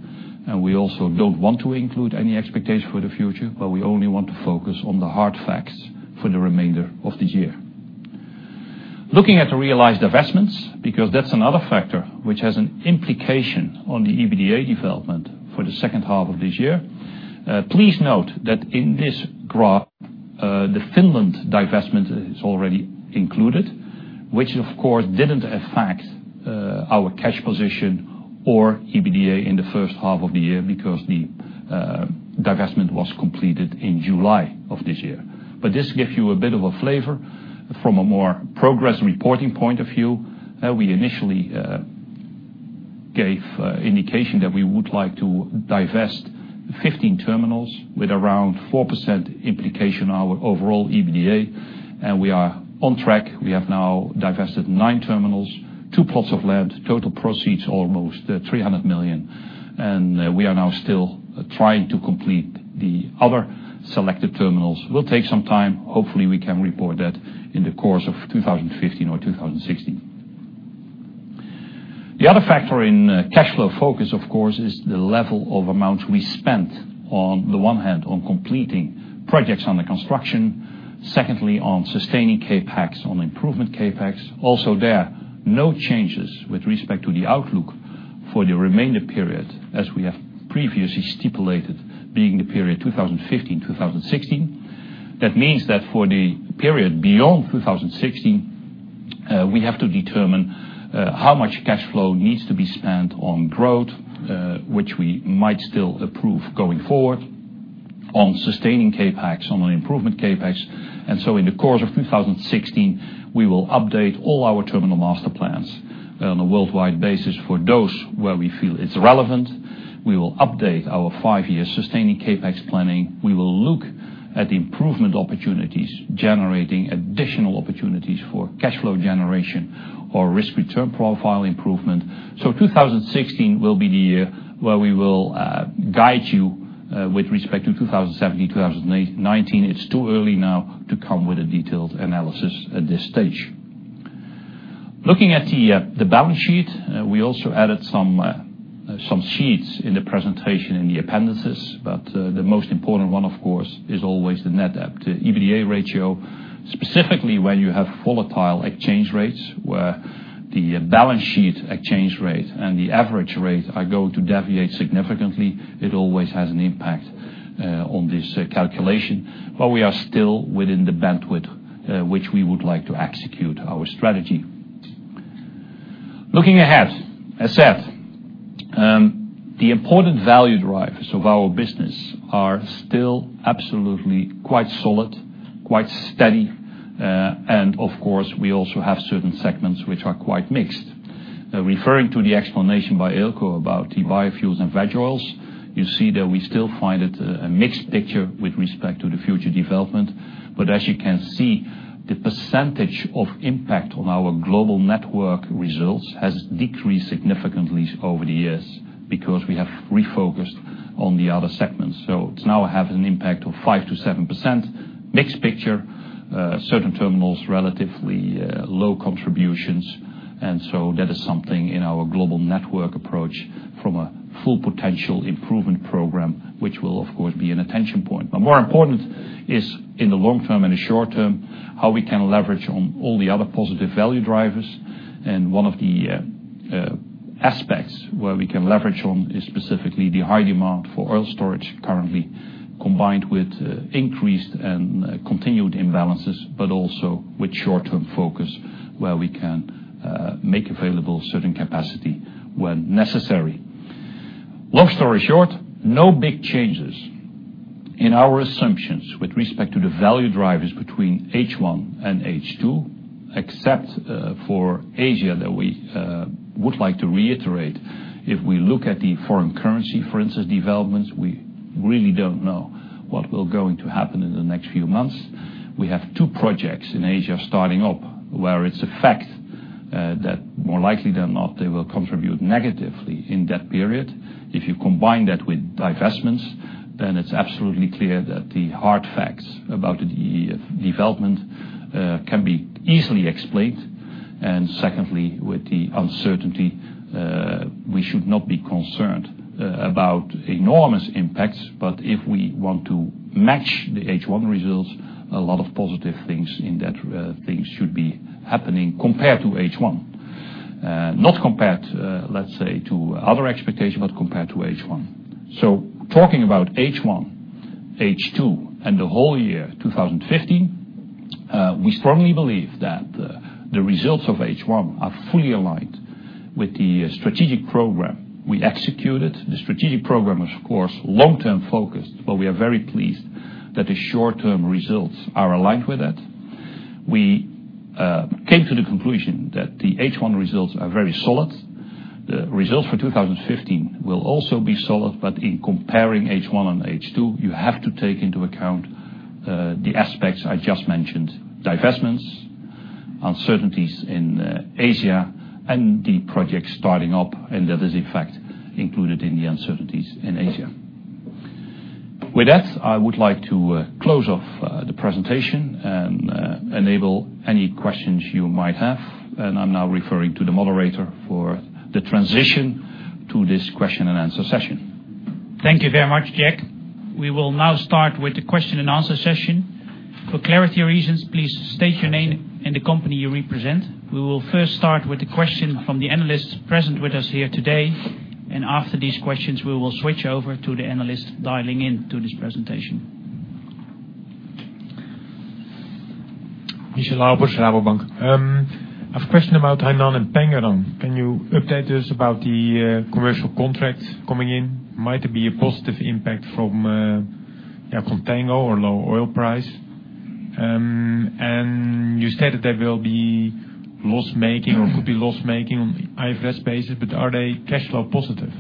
We also don't want to include any expectations for the future, but we only want to focus on the hard facts for the remainder of the year. Looking at the realized investments, because that's another factor which has an implication on the EBITDA development for the second half of this year. Please note that in this graph, the Finland divestment is already included, which of course, didn't affect our cash position or EBITDA in the first half of the year because the divestment was completed in July of this year. This gives you a bit of a flavor from a more progress reporting point of view. We initially gave indication that we would like to divest 15 terminals with around 4% implication on our overall EBITDA, and we are on track. We have now divested nine terminals, two plots of land, total proceeds almost 300 million. We are now still trying to complete the other selected terminals. Will take some time. Hopefully, we can report that in the course of 2015 or 2016. The other factor in cash flow focus, of course, is the level of amount we spent, on the one hand, on completing projects under construction, secondly, on sustaining CapEx, on improvement CapEx. Also there, no changes with respect to the outlook for the remainder period as we have previously stipulated, being the period 2015-2016. That means that for the period beyond 2016, we have to determine how much cash flow needs to be spent on growth, which we might still approve going forward, on sustaining CapEx, on the improvement CapEx. In the course of 2016, we will update all our terminal master plans on a worldwide basis for those where we feel it's relevant. We will update our five-year sustaining CapEx planning. We will look at improvement opportunities, generating additional opportunities for cash flow generation or risk-return profile improvement. 2016 will be the year where we will guide you with respect to 2017-2019. It's too early now to come with a detailed analysis at this stage. Looking at the balance sheet, we also added some sheets in the presentation in the appendices, but the most important one, of course, is always the net debt to EBITDA ratio, specifically when you have volatile exchange rates, where the balance sheet exchange rate and the average rate are going to deviate significantly. It always has an impact on this calculation, but we are still within the bandwidth which we would like to execute our strategy. Looking ahead, as said, the important value drivers of our business are still absolutely quite solid, quite steady. Of course, we also have certain segments which are quite mixed. Referring to the explanation by Eelco about the biofuels and vegetable oils, you see that we still find it a mixed picture with respect to the future development. As you can see, the percentage of impact on our global network results has decreased significantly over the years because we have refocused on the other segments. It now has an impact of 5%-7%, mixed picture, certain terminals, relatively low contributions. That is something in our global network approach from a full potential improvement program, which will, of course, be an attention point. More important is in the long term and the short term, how we can leverage on all the other positive value drivers. One of the aspects where we can leverage on is specifically the high demand for oil storage currently, combined with increased and continued imbalances, but also with short-term focus where we can make available certain capacity when necessary. Long story short, no big changes in our assumptions with respect to the value drivers between H1 and H2, except for Asia, that we would like to reiterate. If we look at the foreign currency, for instance, developments, we really don't know what will going to happen in the next few months. We have two projects in Asia starting up where it's a fact that more likely than not, they will contribute negatively in that period. If you combine that with divestments, then it's absolutely clear that the hard facts about the development can be easily explained. Secondly, with the uncertainty, we should not be concerned about enormous impacts. If we want to match the H1 results, a lot of positive things in that things should be happening compared to H1. Not compared, let's say, to other expectations, but compared to H1. Talking about H1, H2, and the whole year 2015, we strongly believe that the results of H1 are fully aligned with the strategic program we executed. The strategic program, of course, long-term focused, but we are very pleased that the short-term results are aligned with that. We came to the conclusion that the H1 results are very solid. The results for 2015 will also be solid, but in comparing H1 and H2, you have to take into account the aspects I just mentioned, divestments, uncertainties in Asia, and the projects starting up, and that is in fact included in the uncertainties in Asia. With that, I would like to close off the presentation and enable any questions you might have. I'm now referring to the moderator for the transition to this question and answer session. Thank you very much, Jack. We will now start with the question and answer session. For clarity reasons, please state your name and the company you represent. We will first start with the question from the analysts present with us here today, and after these questions, we will switch over to the analysts dialing in to this presentation. Michiel Gilsing, Rabobank. I have a question about Hainan and Pengerang. Can you update us about the commercial contracts coming in? Might it be a positive impact from contango or low oil price? You stated they will be loss-making or could be loss-making on IFRS basis, but are they cash flow positive?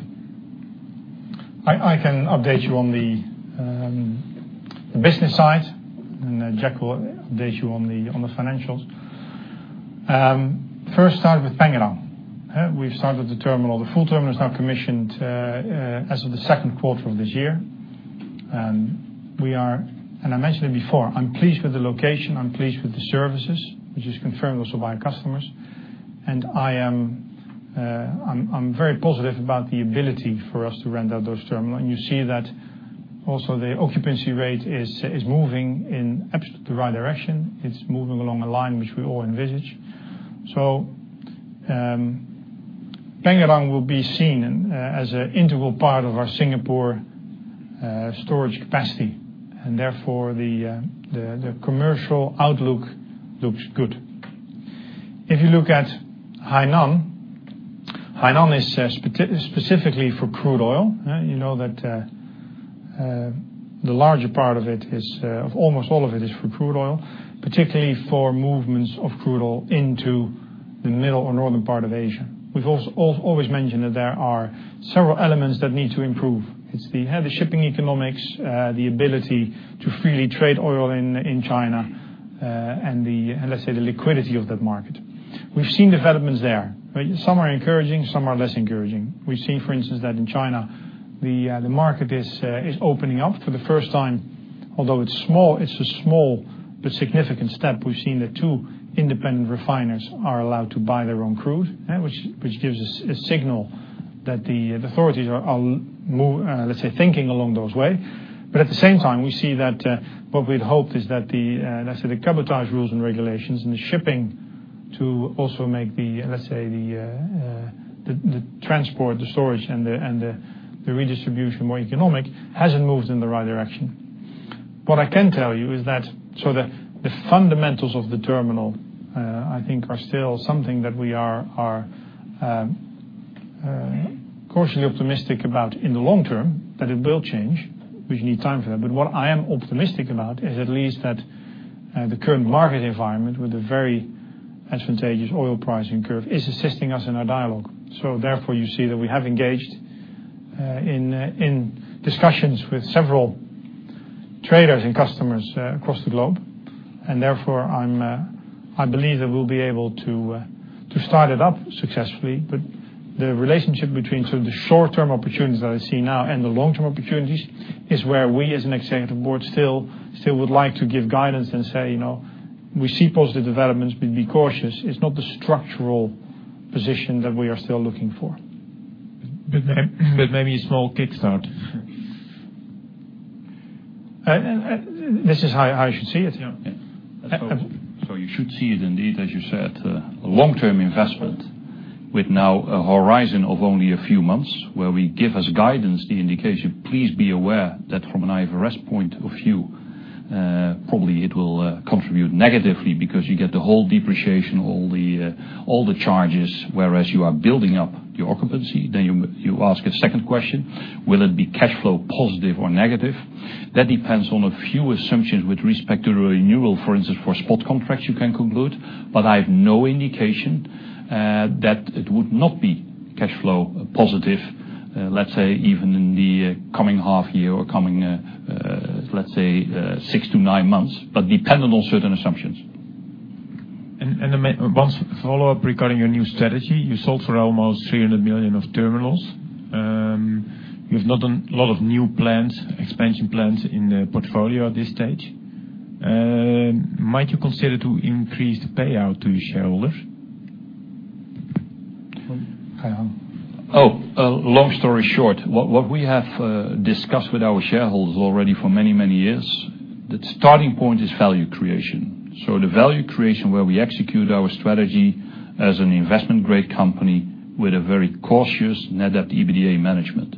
I can update you on the business side, and Jack will update you on the financials. First start with Pengerang. We've started the terminal. The full terminal is now commissioned as of the second quarter of this year. I mentioned it before, I'm pleased with the location, I'm pleased with the services, which is confirmed also by our customers. I'm very positive about the ability for us to rent out those terminal. You see that also the occupancy rate is moving in the right direction. It's moving along a line which we all envisage. Pengerang will be seen as an integral part of our Singapore storage capacity, and therefore the commercial outlook looks good. If you look at Hainan is specifically for crude oil. You know that the larger part of it is, of almost all of it is for crude oil, particularly for movements of crude oil into the middle or northern part of Asia. We've always mentioned that there are several elements that need to improve. It's the shipping economics, the ability to freely trade oil in China, and let's say the liquidity of that market. We've seen developments there. Some are encouraging, some are less encouraging. We've seen, for instance, that in China, the market is opening up for the first time, although it's small, it's a small but significant step. We've seen that two independent refiners are allowed to buy their own crude, which gives us a signal that the authorities are, let's say, thinking along those way. At the same time, we see that what we'd hoped is that the, let's say, the cabotage rules and regulations and the shipping to also make the, let's say, the transport, the storage, and the redistribution more economic, hasn't moved in the right direction. What I can tell you is that the fundamentals of the terminal, I think, are still something that we are cautiously optimistic about in the long term, that it will change. We need time for that. What I am optimistic about is at least that the current market environment with the very advantageous oil pricing curve is assisting us in our dialogue. Therefore you see that we have engaged in discussions with several traders and customers across the globe. Therefore I believe that we'll be able to start it up successfully. The relationship between sort of the short-term opportunities that I see now and the long-term opportunities is where we as an Executive Board still would like to give guidance and say, we see positive developments, but be cautious. It's not the structural position that we are still looking for. Maybe a small kickstart. This is how you should see it. You should see it indeed, as you said, a long-term investment with now a horizon of only a few months where we give as guidance the indication, please be aware that from an IFRS point of view probably it will contribute negatively because you get the whole depreciation, all the charges, whereas you are building up your occupancy. You ask a second question, will it be cash flow positive or negative? That depends on a few assumptions with respect to the renewal. For instance, for spot contracts you can conclude, but I have no indication that it would not be cash flow positive. Let's say, even in the coming half year or coming six to nine months, but dependent on certain assumptions. One follow-up regarding your new strategy. You sold for almost 300 million of terminals. You've not a lot of new plans, expansion plans in the portfolio at this stage. Might you consider to increase the payout to your shareholders? Oh, long story short, what we have discussed with our shareholders already for many, many years, the starting point is value creation. The value creation where we execute our strategy as an investment grade company with a very cautious net debt EBITDA management.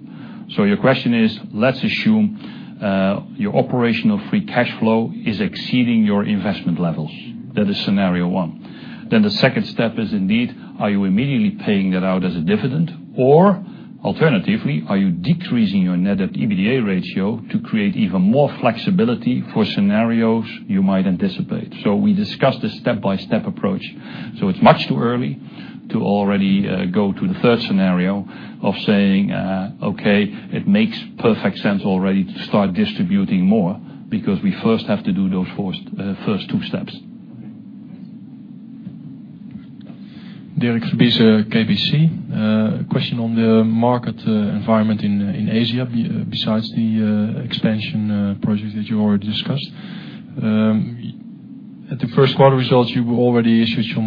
Your question is, let's assume your operational free cash flow is exceeding your investment levels. That is scenario 1. The second step is indeed, are you immediately paying that out as a dividend? Alternatively, are you decreasing your net debt EBITDA ratio to create even more flexibility for scenarios you might anticipate? We discussed a step-by-step approach. It's much too early to already go to the third scenario of saying, okay, it makes perfect sense already to start distributing more because we first have to do those first two steps. Dirk Verbiesen, KBC. A question on the market environment in Asia, besides the expansion project that you already discussed. At the first quarter results, you already issued some,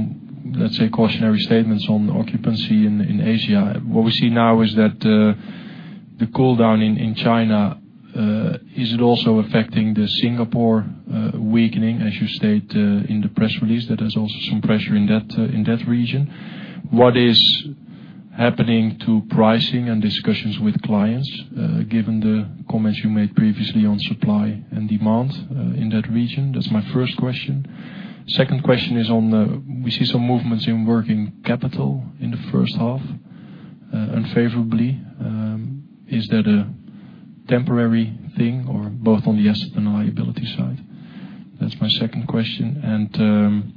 let's say, cautionary statements on occupancy in Asia. What we see now is that the cool down in China, is it also affecting the Singapore weakening, as you state in the press release, that there's also some pressure in that region? What is happening to pricing and discussions with clients, given the comments you made previously on supply and demand in that region? That's my first question. Second question is on the, we see some movements in working capital in the first half, unfavorably. Is that a temporary thing, or both on the asset and liability side? That's my second question.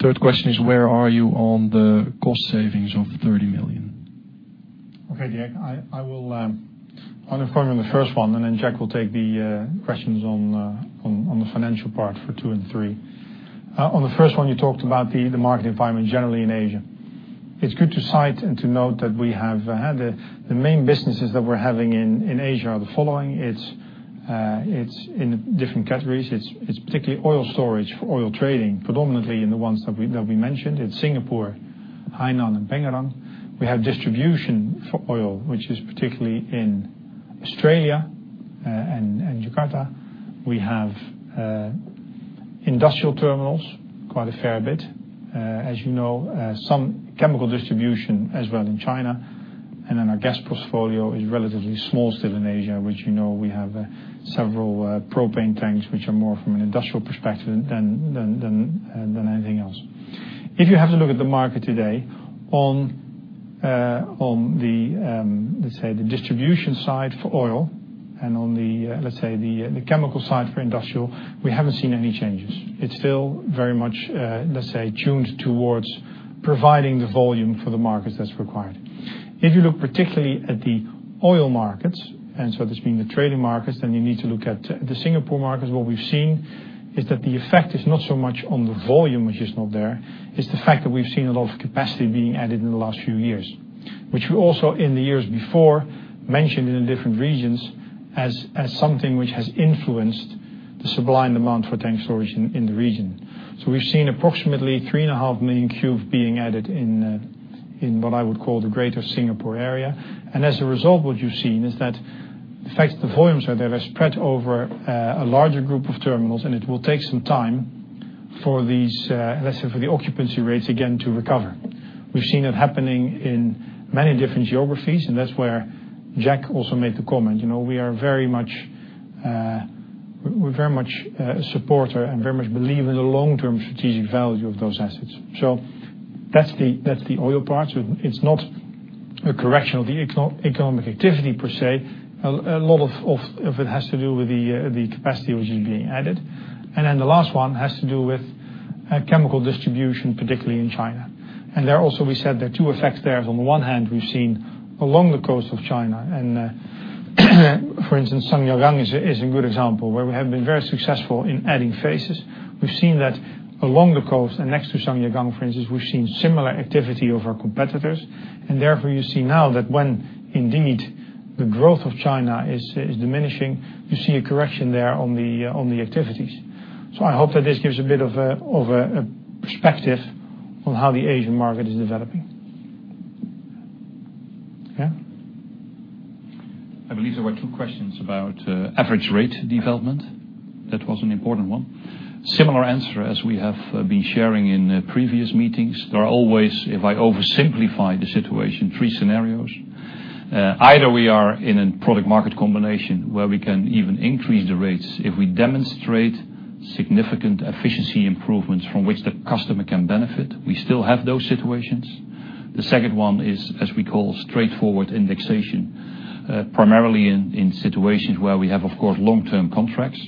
Third question is where are you on the cost savings of the 30 million? Okay, Dirk, I will answer for you on the first one, then Jack will take the questions on the financial part for two and three. On the first one, you talked about the market environment generally in Asia. It is good to cite and to note that we have had the main businesses that we are having in Asia are the following. It is in different categories. It is particularly oil storage for oil trading, predominantly in the ones that we mentioned. It is Singapore, Hainan, and Penang. We have distribution for oil, which is particularly in Australia and Jakarta. We have industrial terminals, quite a fair bit. As you know, some chemical distribution as well in China. Then our gas portfolio is relatively small still in Asia, which you know we have several propane tanks, which are more from an industrial perspective than anything else. If you have a look at the market today on the, let's say, the distribution side for oil and on the, let's say, the chemical side for industrial, we have not seen any changes. It is still very much, let's say, tuned towards providing the volume for the market that is required. If you look particularly at the oil markets, so this being the trading markets, then you need to look at the Singapore markets. What we have seen is that the effect is not so much on the volume, which is not there. It is the fact that we have seen a lot of capacity being added in the last few years, which we also in the years before mentioned in the different regions as something which has influenced the supply and demand for tank storage in the region. We have seen approximately 3.5 million cube being added in what I would call the greater Singapore area. As a result, what you have seen is that the fact the volumes are there, they are spread over a larger group of terminals, and it will take some time for these, let's say, for the occupancy rates again to recover. We have seen it happening in many different geographies, and that is where Jack also made the comment. We very much support and very much believe in the long-term strategic value of those assets. That is the oil part. It is not a correction of the economic activity per se. A lot of it has to do with the capacity which is being added. Then the last one has to do with chemical distribution, particularly in China. There also, we said there are two effects there. On the one hand, we have seen along the coast of China, and for instance, Zhangjiagang is a good example, where we have been very successful in adding phases. We have seen that along the coast and next to Zhangjiagang, for instance, we have seen similar activity of our competitors. Therefore, you see now that when indeed the growth of China is diminishing, you see a correction there on the activities. I hope that this gives a bit of a perspective on how the Asian market is developing. Yeah? I believe there were two questions about average rate development. That was an important one. Similar answer as we have been sharing in previous meetings. There are always, if I oversimplify the situation, three scenarios. Either we are in a product market combination where we can even increase the rates if we demonstrate significant efficiency improvements from which the customer can benefit. We still have those situations. The second one is, as we call, straightforward indexation. Primarily in situations where we have long-term contracts.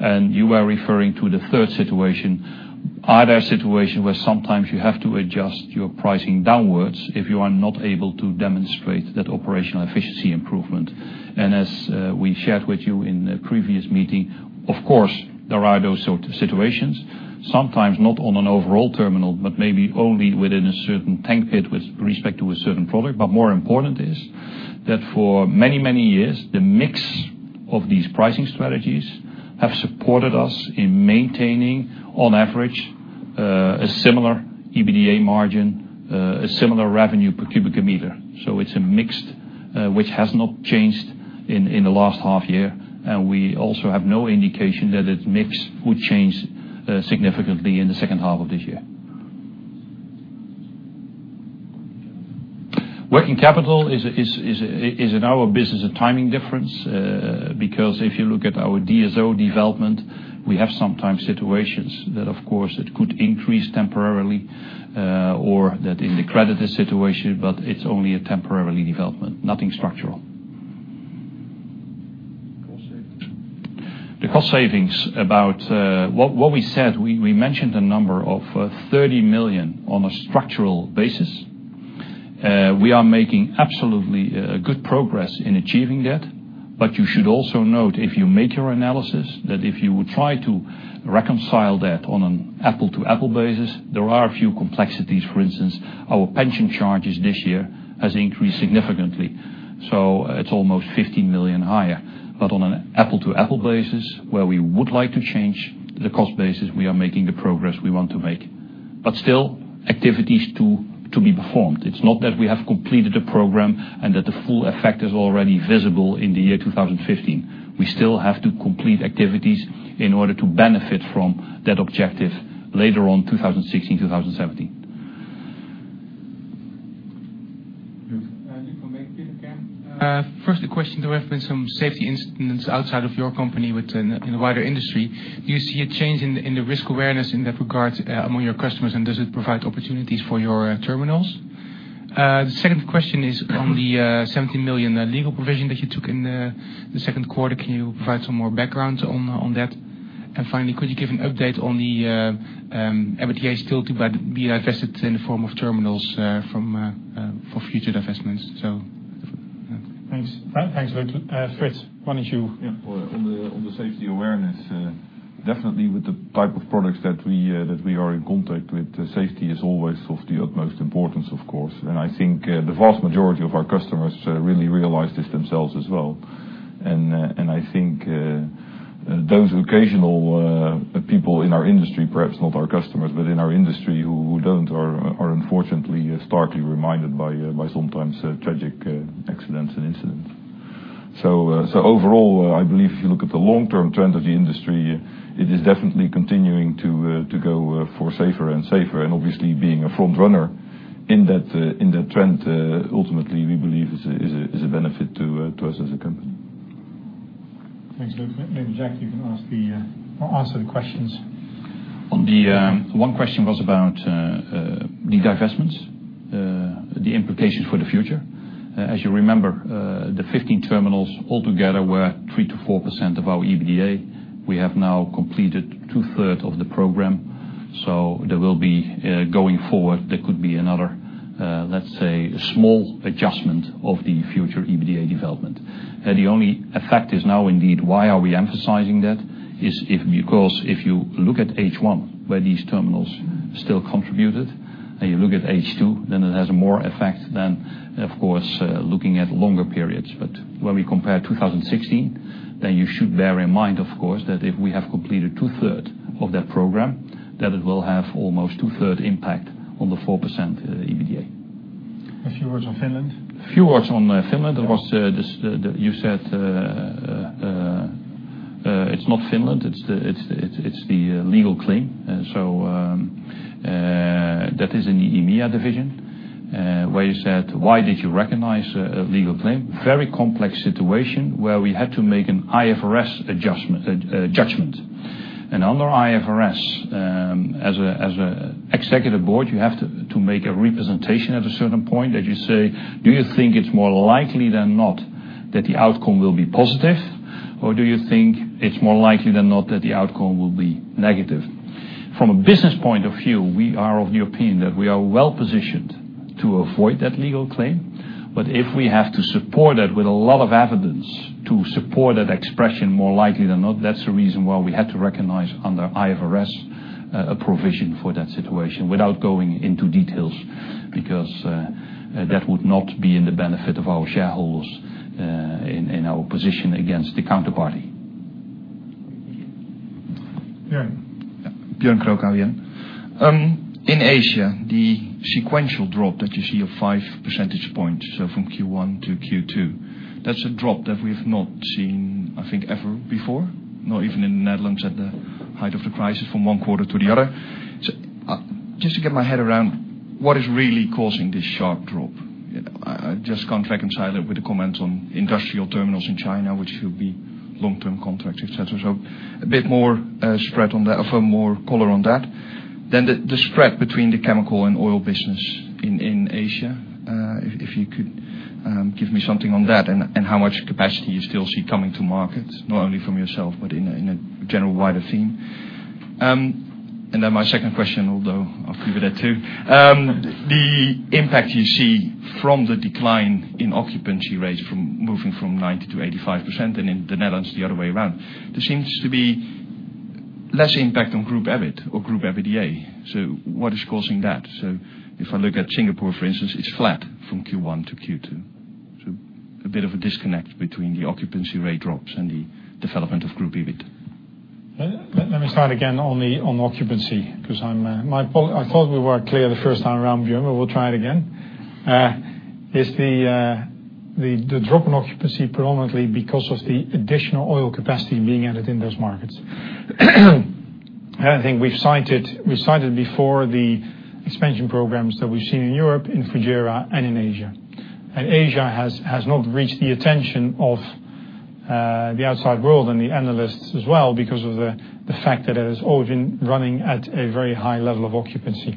You are referring to the third situation. Are there situations where sometimes you have to adjust your pricing downwards if you are not able to demonstrate that operational efficiency improvement? As we shared with you in a previous meeting, of course, there are those sort of situations, sometimes not on an overall terminal, but maybe only within a certain tank pit with respect to a certain product. More important is that for many years, the mix of these pricing strategies have supported us in maintaining, on average, a similar EBITDA margin, a similar revenue per cubic meter. It's a mix which has not changed in the last half year, and we also have no indication that its mix would change significantly in the second half of this year. Working capital is in our business, a timing difference, because if you look at our DSO development, we have sometimes situations that it could increase temporarily, or that in the creditor situation, but it's only a temporary development, nothing structural. Cost savings. The cost savings. What we said, we mentioned a number of 30 million on a structural basis. We are making absolutely good progress in achieving that. You should also note, if you make your analysis, that if you would try to reconcile that on an apple-to-apple basis, there are a few complexities. For instance, our pension charges this year have increased significantly. It's almost 15 million higher. On an apple-to-apple basis, where we would like to change the cost basis, we are making the progress we want to make. Still, activities to be performed. It's not that we have completed the program and that the full effect is already visible in 2015. We still have to complete activities in order to benefit from that objective later on 2016, 2017. Luuk. Luuk from Bank Degroof Petercam again. First a question. There have been some safety incidents outside of your company within the wider industry. Do you see a change in the risk awareness in that regard among your customers, and does it provide opportunities for your terminals? The second question is on the 70 million legal provision that you took in the second quarter. Can you provide some more background on that? Finally, could you give an update on the M&A still to be divested in the form of terminals for future divestments? Thanks, Luuk. Frits, why don't you? On the safety awareness, definitely with the type of products that we are in contact with, safety is always of the utmost importance, of course. I think the vast majority of our customers really realize this themselves as well. I think those occasional people in our industry, perhaps not our customers, but in our industry who don't, are unfortunately starkly reminded by sometimes tragic accidents and incidents. Overall, I believe if you look at the long-term trend of the industry, it is definitely continuing to go for safer and safer, and obviously being a front runner in that trend, ultimately, we believe is a benefit to us as a company. Thanks, Luuk. Maybe Jack, you can answer the questions. One question was about the divestments, the implications for the future. As you remember, the 15 terminals altogether were 3%-4% of our EBITDA. We have now completed two-third of the program. There will be, going forward, there could be another, let's say, a small adjustment of the future EBITDA development. The only effect is now indeed, why are we emphasizing that? Is because if you look at H1 where these terminals still contributed, and you look at H2, then it has more effect than, of course, looking at longer periods. When we compare 2016, then you should bear in mind, of course, that if we have completed two-third of that program, that it will have almost two-third impact on the 4% EBITDA. A few words on Finland? A few words on Finland. You said, it's not Finland, it's the legal claim. That is in the EMEA division, where you said, "Why did you recognize a legal claim?" Very complex situation where we had to make an IFRS judgment. Under IFRS, as an Executive Board, you have to make a representation at a certain point that you say, do you think it's more likely than not that the outcome will be positive, or do you think it's more likely than not that the outcome will be negative? From a business point of view, we are of the opinion that we are well positioned to avoid that legal claim. If we have to support that with a lot of evidence to support that expression, more likely than not, that's the reason why we had to recognize under IFRS a provision for that situation without going into details, because that would not be in the benefit of our shareholders, in our position against the counterparty. Björn. Björn Krook, ABN. In Asia, the sequential drop that you see of 5 percentage points, from Q1 to Q2, that's a drop that we've not seen, I think, ever before, not even in the Netherlands at the height of the crisis, from one quarter to the other. Just to get my head around what is really causing this sharp drop? I just can't reconcile it with the comments on industrial terminals in China, which should be long-term contracts, et cetera. A bit more spread on that, offer more color on that. The spread between the chemical and oil business in Asia, if you could give me something on that and how much capacity you still see coming to market, not only from yourself, but in a general wider theme. My second question, although I'll give you that too. The impact you see from the decline in occupancy rates from moving from 90% to 85% and in the Netherlands, the other way around. There seems to be less impact on group EBIT or group EBITDA. What is causing that? If I look at Singapore, for instance, it's flat from Q1 to Q2. A bit of a disconnect between the occupancy rate drops and the development of group EBIT. Let me start again on occupancy, because I thought we were clear the first time around, Björn, but we'll try it again. Is the drop in occupancy predominantly because of the additional oil capacity being added in those markets? I think we've cited before the expansion programs that we've seen in Europe, in Fujairah, and in Asia. Asia has not reached the attention of the outside world and the analysts as well because of the fact that it has all been running at a very high level of occupancy.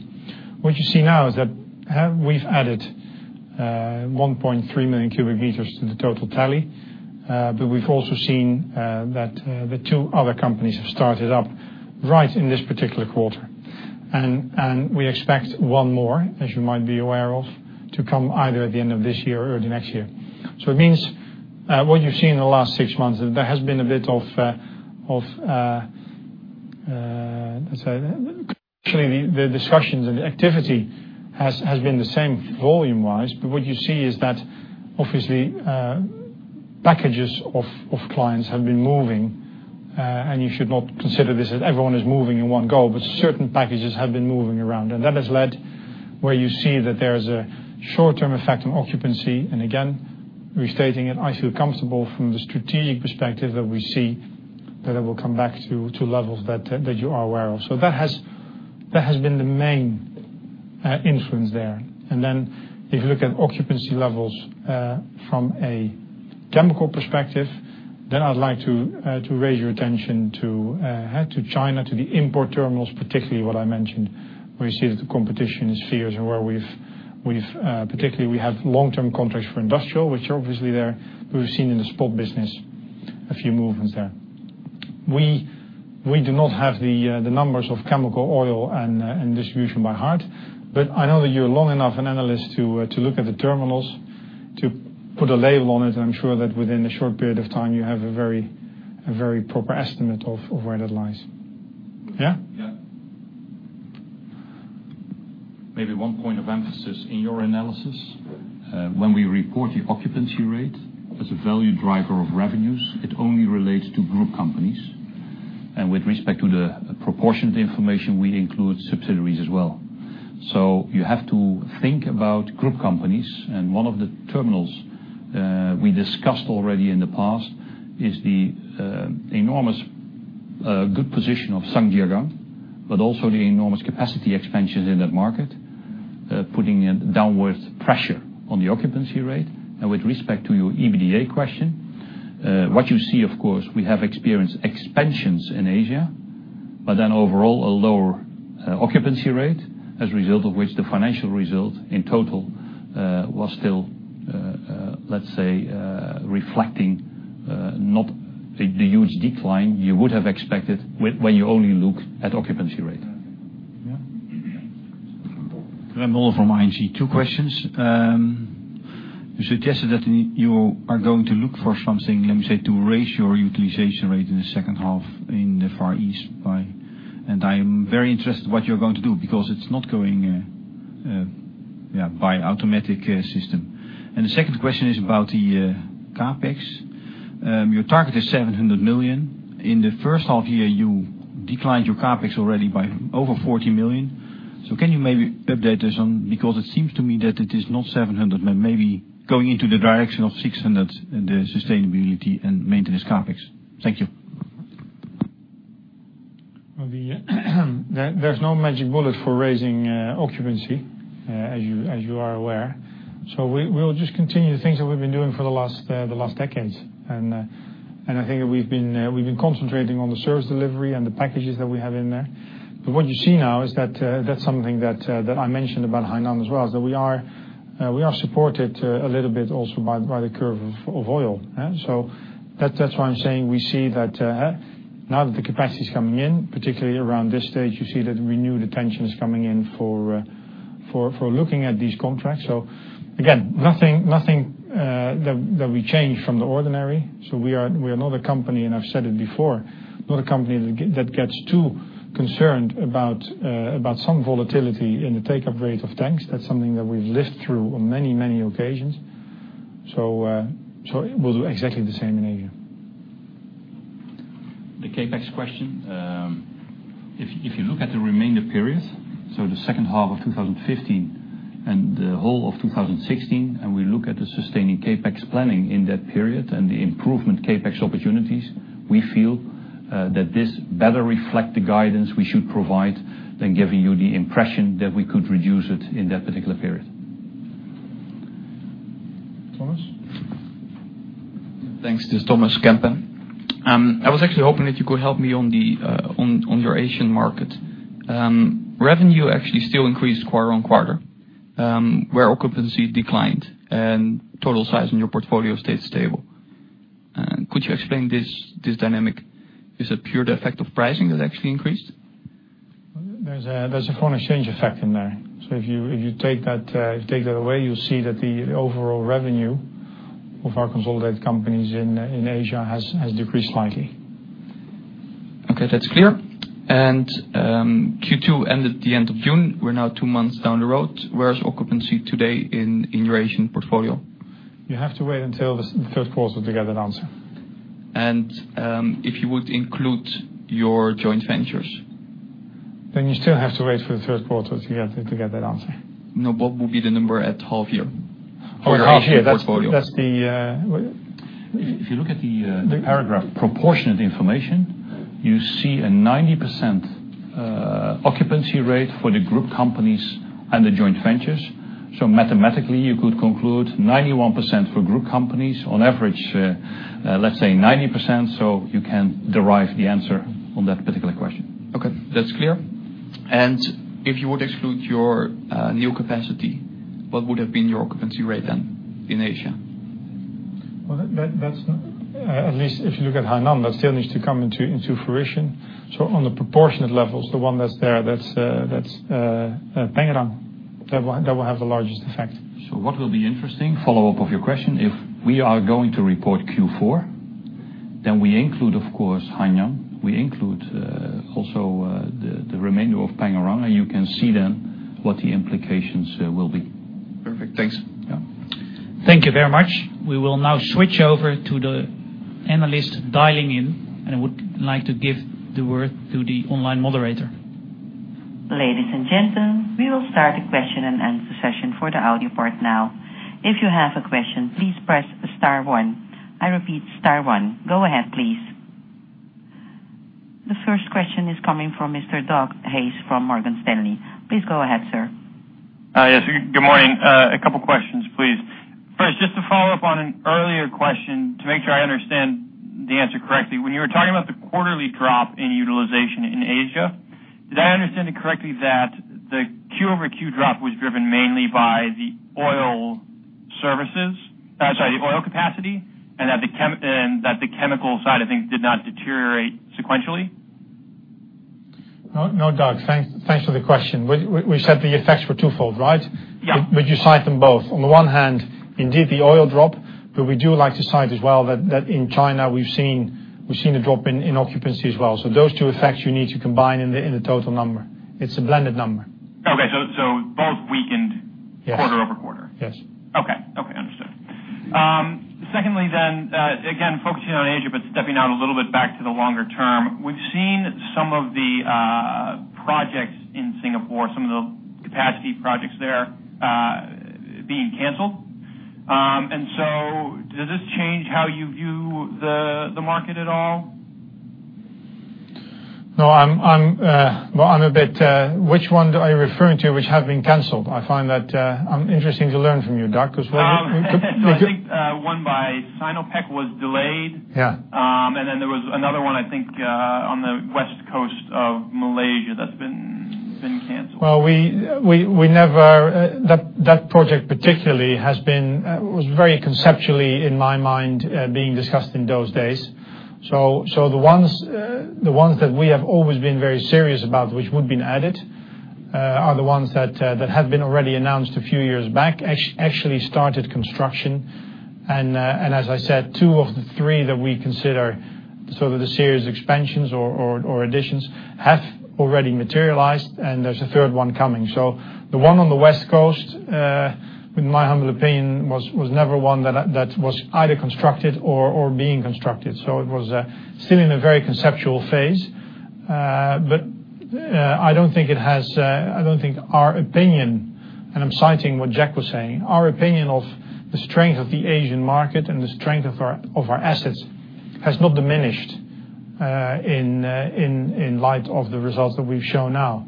What you see now is that we've added 1.3 million cubic meters to the total tally, but we've also seen that the two other companies have started up right in this particular quarter, and we expect one more, as you might be aware of, to come either at the end of this year or the next year. It means, what you've seen in the last six months, there has been a bit of, let's say, actually the discussions and the activity has been the same volume-wise, but what you see is that obviously packages of clients have been moving, and you should not consider this as everyone is moving in one go, but certain packages have been moving around. That has led where you see that there is a short-term effect on occupancy. Again, restating it, I feel comfortable from the strategic perspective that we see that it will come back to levels that you are aware of. That has been the main influence there. If you look at occupancy levels from a chemical perspective, I'd like to raise your attention to China, to the import terminals, particularly what I mentioned, where you see that the competition is fierce and where particularly we have long-term contracts for industrial, which are obviously there, we've seen in the spot business a few movements there. We do not have the numbers of chemical oil and distribution by heart, but I know that you're long enough an analyst to look at the terminals to put a label on it, and I'm sure that within a short period of time you have a very proper estimate of where that lies. Yeah? Yeah. Maybe one point of emphasis in your analysis. When we report the occupancy rate as a value driver of revenues, it only relates to group companies. With respect to the proportioned information, we include subsidiaries as well. You have to think about group companies, and one of the terminals we discussed already in the past is the enormous good position of Zhangjiagang, also the enormous capacity expansions in that market, putting a downward pressure on the occupancy rate. With respect to your EBITDA question, what you see, of course, we have experienced expansions in Asia, overall a lower occupancy rate as a result of which the financial result in total was still, let's say, reflecting not the huge decline you would have expected when you only look at occupancy rate. Yeah. Remco from ING. Two questions. You suggested that you are going to look for something, let me say, to raise your utilization rate in the second half in the Far East, I am very interested what you are going to do because it's not going by automatic system. The second question is about the CapEx. Your target is 700 million. In the first half year, you declined your CapEx already by over 40 million. Can you maybe update us on, because it seems to me that it is not 700, but maybe going into the direction of 600, the sustainability and maintenance CapEx. Thank you. There's no magic bullet for raising occupancy, as you are aware. We'll just continue the things that we've been doing for the last decades. I think that we've been concentrating on the service delivery and the packages that we have in there. What you see now is that's something that I mentioned about Haiteng as well, is that we are supported a little bit also by the curve of oil. That's why I'm saying we see that now that the capacity is coming in, particularly around this stage, you see that renewed attention is coming in for looking at these contracts. Again, nothing that we change from the ordinary. We are not a company, and I've said it before, not a company that gets too concerned about some volatility in the take-up rate of tanks. That's something that we've lived through on many, many occasions. We'll do exactly the same in Asia. The CapEx question. If you look at the remainder period, so the second half of 2015 and the whole of 2016, and we look at the sustaining CapEx planning in that period and the improvement CapEx opportunities, we feel that this better reflect the guidance we should provide than giving you the impression that we could reduce it in that particular period. Thijs? Thanks. This is Thijs Berkelder. I was actually hoping that you could help me on your Asian market. Revenue actually still increased quarter-on-quarter, where occupancy declined and total size in your portfolio stayed stable. Could you explain this dynamic? Is it pure the effect of pricing that actually increased? There's a foreign exchange effect in there. If you take that away, you'll see that the overall revenue of our consolidated companies in Asia has decreased slightly. Okay, that's clear. Q2 ended at the end of June. We're now two months down the road. Where is occupancy today in your Asian portfolio? You have to wait until the third quarter to get that answer. If you would include your joint ventures? You still have to wait for the third quarter to get that answer. No, what would be the number at half year? Oh, yeah. For your half year portfolio. That's the, what? If you look at the paragraph proportionate information, you see a 90% occupancy rate for the group companies and the joint ventures. Mathematically, you could conclude 91% for group companies on average, let's say 90%, so you can derive the answer on that particular question. Okay. That's clear. If you would exclude your new capacity, what would have been your occupancy rate then in Asia? Well, at least if you look at Haiteng, that still needs to come into fruition. On the proportionate levels, the one that's there, that's Pengerang that will have the largest effect. What will be interesting, follow-up of your question, if we are going to report Q4, then we include, of course, Haiteng. We include also the remainder of Pengerang, and you can see then what the implications will be. Perfect. Thanks. Yeah. Thank you very much. We will now switch over to the analyst dialing in. I would like to give the word to the online moderator. Ladies and gentlemen, we will start the question and answer session for the audio part now. If you have a question, please press star one. I repeat star one. Go ahead, please. The first question is coming from Mr. Doug Hayes from Morgan Stanley. Please go ahead, sir. Yes. Good morning. A couple questions, please. First, just to follow up on an earlier question to make sure I understand the answer correctly. When you were talking about the quarterly drop in utilization in Asia, did I understand it correctly that the Q-over-Q drop was driven mainly by the oil services, sorry, the oil capacity, that the chemical side of things did not deteriorate sequentially? No, Doug. Thanks for the question. We said the effects were twofold, right? Yeah. You cite them both. On the one hand, indeed, the oil drop, but we do like to cite as well that in China we've seen a drop in occupancy as well. Those two effects you need to combine in the total number. It's a blended number. Okay. Both weakened. Yes. Quarter-over-quarter. Yes. Secondly, again, focusing on Asia, stepping out a little bit back to the longer term. We've seen some of the projects in Singapore, some of the capacity projects there, being canceled. Does this change how you view the market at all? No, well, which one are you referring to which have been canceled? I find that I'm interested to learn from you, Doug, as well. No, I think, one by Sinopec was delayed. Yeah. There was another one, I think, on the west coast of Malaysia that's been canceled. Well, that project particularly was very conceptually in my mind, being discussed in those days. The ones that we have always been very serious about, which would've been added, are the ones that have been already announced a few years back, actually started construction. As I said, two of the three that we consider sort of the serious expansions or additions have already materialized, and there's a third one coming. The one on the West Coast, in my humble opinion, was never one that was either constructed or being constructed. It was still in a very conceptual phase. I don't think our opinion, and I'm citing what Jack was saying, our opinion of the strength of the Asian market and the strength of our assets has not diminished in light of the results that we've shown now.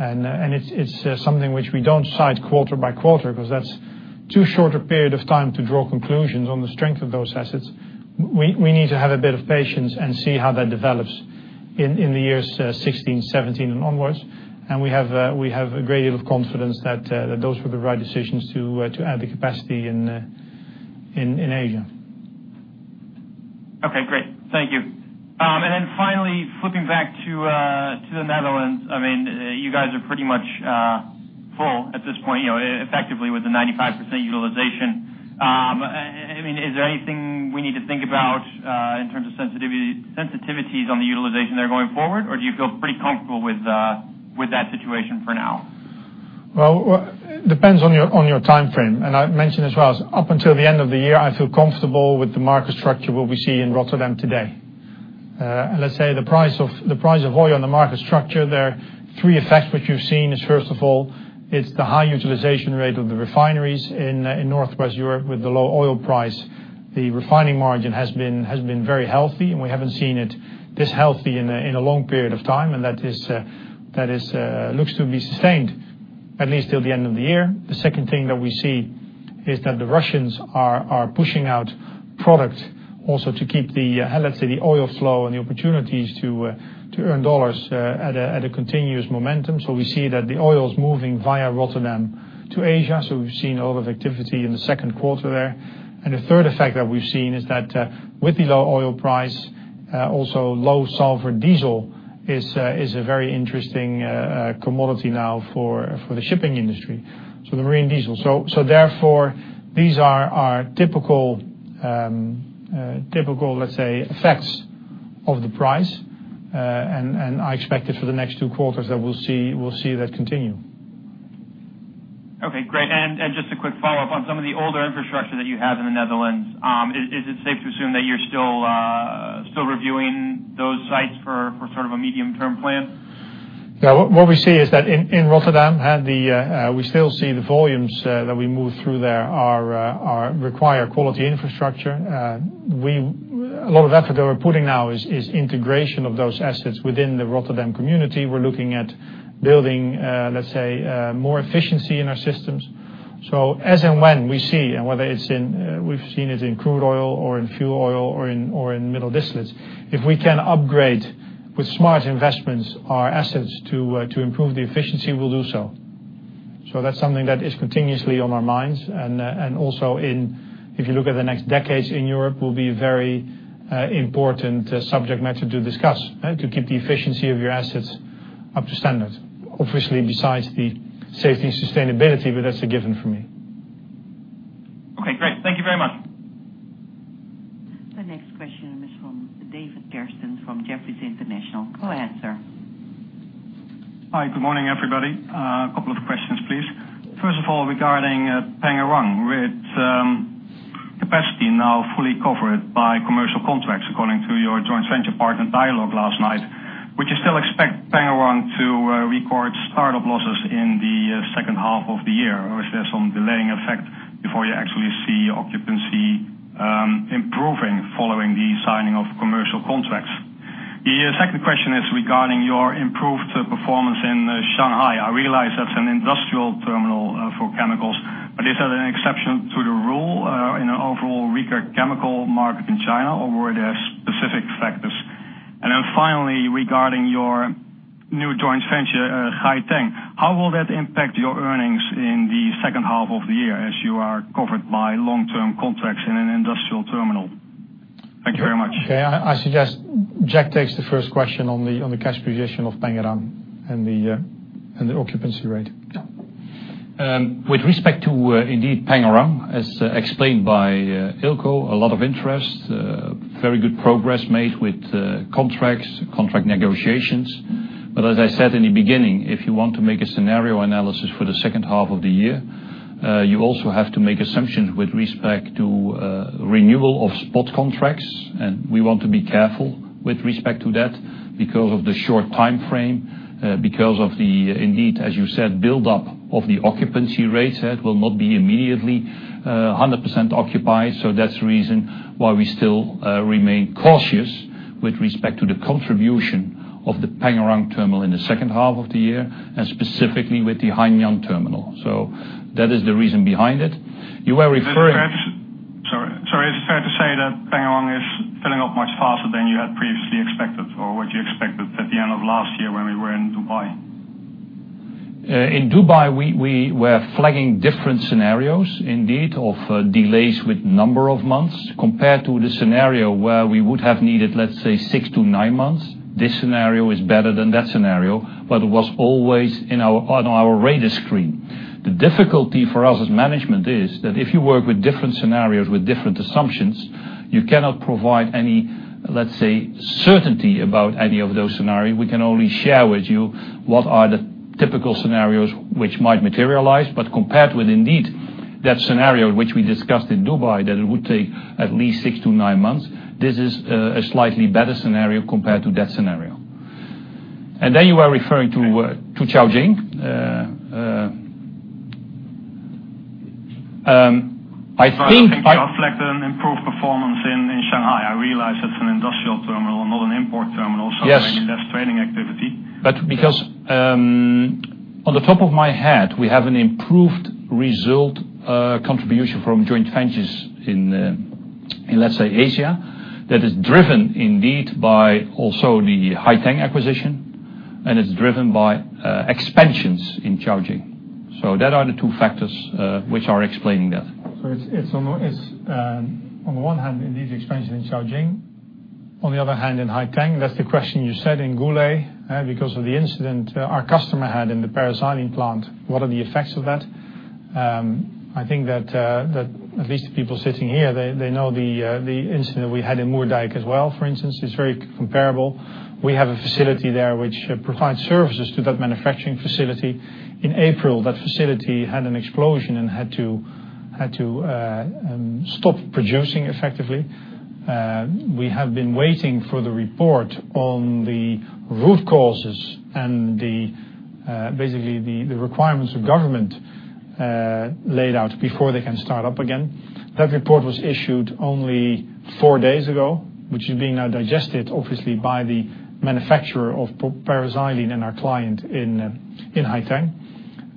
It's something which we don't cite quarter by quarter because that's too short a period of time to draw conclusions on the strength of those assets. We need to have a bit of patience and see how that develops in the years 2016, 2017, and onwards. We have a great deal of confidence that those were the right decisions to add the capacity in Asia. Okay, great. Thank you. Finally, flipping back to the Netherlands. You guys are pretty much full at this point, effectively with the 95% utilization. Is there anything we need to think about, in terms of sensitivities on the utilization there going forward? Do you feel pretty comfortable with that situation for now? Well, depends on your timeframe. I mentioned as well, up until the end of the year, I feel comfortable with the market structure, what we see in Rotterdam today. Let's say the price of oil and the market structure, there are three effects which we've seen is first of all, it's the high utilization rate of the refineries in Northwest Europe with the low oil price. The refining margin has been very healthy, and we haven't seen it this healthy in a long period of time and that looks to be sustained at least till the end of the year. The second thing that we see is that the Russians are pushing out product also to keep the, let's say, the oil flow and the opportunities to earn dollars at a continuous momentum. We see that the oil is moving via Rotterdam to Asia. We've seen a lot of activity in the second quarter there. The third effect that we've seen is that with the low oil price, also low sulfur diesel is a very interesting commodity now for the shipping industry. The marine diesel. Therefore these are our typical, let's say, effects of the price. I expect it for the next two quarters that we'll see that continue. Okay, great. Just a quick follow-up on some of the older infrastructure that you have in the Netherlands. Is it safe to assume that you're still reviewing those sites for sort of a medium term plan? Yeah. What we see is that in Rotterdam, we still see the volumes that we move through there require quality infrastructure. A lot of effort that we're putting now is integration of those assets within the Rotterdam community. We're looking at building, let's say, more efficiency in our systems. As and when we see, and whether it's in, we've seen it in crude oil or in fuel oil or in middle distillates. If we can upgrade with smart investments our assets to improve the efficiency, we'll do so. That's something that is continuously on our minds. Also, if you look at the next decades in Europe, will be very important subject matter to discuss, to keep the efficiency of your assets up to standard. Obviously, besides the safety and sustainability, but that's a given for me. Okay, great. Thank you very much. The next question is from David Kerstens from Jefferies International. Go ahead, sir. Hi. Good morning, everybody. A couple of questions, please. First of all, regarding Pengerang. With capacity now fully covered by commercial contracts according to your joint venture partner Dialog last night, would you still expect Pengerang to record start-up losses in the second half of the year? Is there some delaying effect before you actually see occupancy improving following the signing of commercial contracts? The second question is regarding your improved performance in Shanghai. I realize that's an industrial terminal for chemicals, but is that an exception to the rule in an overall weaker chemical market in China, or were there specific factors? Finally, regarding your new joint venture, Haiteng, how will that impact your earnings in the second half of the year as you are covered by long-term contracts in an industrial terminal? Thank you very much. I suggest Jack takes the first question on the cash position of Pengerang and the occupancy rate. With respect to indeed Pengerang, as explained by Eelco, a lot of interest, very good progress made with contracts, contract negotiations. As I said in the beginning, if you want to make a scenario analysis for the second half of the year, you also have to make assumptions with respect to renewal of spot contracts. We want to be careful with respect to that because of the short time frame, because of the indeed, as you said, build up of the occupancy rates. That will not be immediately 100% occupied. That's the reason why we still remain cautious with respect to the contribution of the Pengerang terminal in the second half of the year, and specifically with the Haiteng terminal. That is the reason behind it. Sorry. Is it fair to say that Pengerang is filling up much faster than you had previously expected, or what you expected at the end of last year when we were in Dubai? In Dubai, we were flagging different scenarios indeed, of delays with number of months compared to the scenario where we would have needed, let's say, 6 to 9 months. This scenario is better than that scenario, but it was always on our radar screen. The difficulty for us as management is that if you work with different scenarios, with different assumptions, you cannot provide any, let's say, certainty about any of those scenarios. We can only share with you what are the typical scenarios which might materialize, but compared with indeed that scenario which we discussed in Dubai, that it would take at least 6 to 9 months, this is a slightly better scenario compared to that scenario. Then you were referring to Caojing. I think I think you reflect an improved performance in Shanghai. I realize that's an industrial terminal and not an import terminal. Yes. Maybe less trading activity. Because, on the top of my head, we have an improved result contribution from joint ventures in, let's say Asia, that is driven indeed by also the Haiteng acquisition, and it's driven by expansions in Caojing. That are the two factors, which are explaining that. It's on one hand, indeed expansion in Caojing, on the other hand in Haiteng. That's the question you said in Gouda, because of the incident our customer had in the paraxylene plant. What are the effects of that? I think that at least the people sitting here, they know the incident we had in Moerdijk as well, for instance. It's very comparable. We have a facility there which provides services to that manufacturing facility. In April, that facility had an explosion and had to stop producing effectively. We have been waiting for the report on the root causes and basically the requirements the government laid out before they can start up again. That report was issued only four days ago, which is being now digested, obviously, by the manufacturer of paraxylene and our client in Haiteng.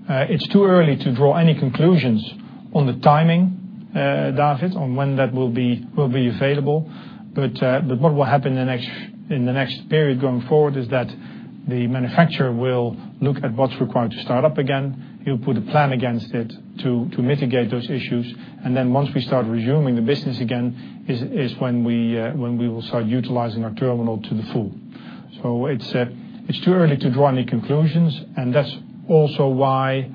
It's too early to draw any conclusions on the timing, David, on when that will be available. What will happen in the next period going forward is that the manufacturer will look at what's required to start up again. He'll put a plan against it to mitigate those issues. Then once we start resuming the business again, is when we will start utilizing our terminal to the full. It's too early to draw any conclusions, and that's also why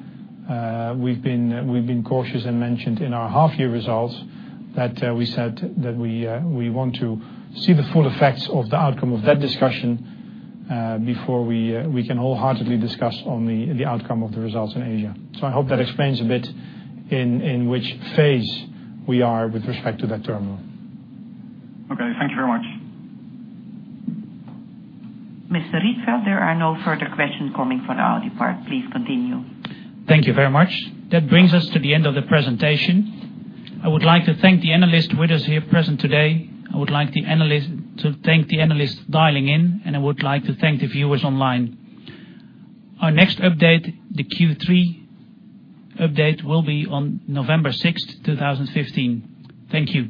we've been cautious and mentioned in our half year results that we said that we want to see the full effects of the outcome of that discussion before we can wholeheartedly discuss on the outcome of the results in Asia. I hope that explains a bit in which phase we are with respect to that terminal. Okay, thank you very much. Mr. Rietveld, there are no further questions coming from our part. Please continue. Thank you very much. That brings us to the end of the presentation. I would like to thank the analysts with us here present today. I would like to thank the analysts dialing in, and I would like to thank the viewers online. Our next update, the Q3 update, will be on November 6th, 2015. Thank you.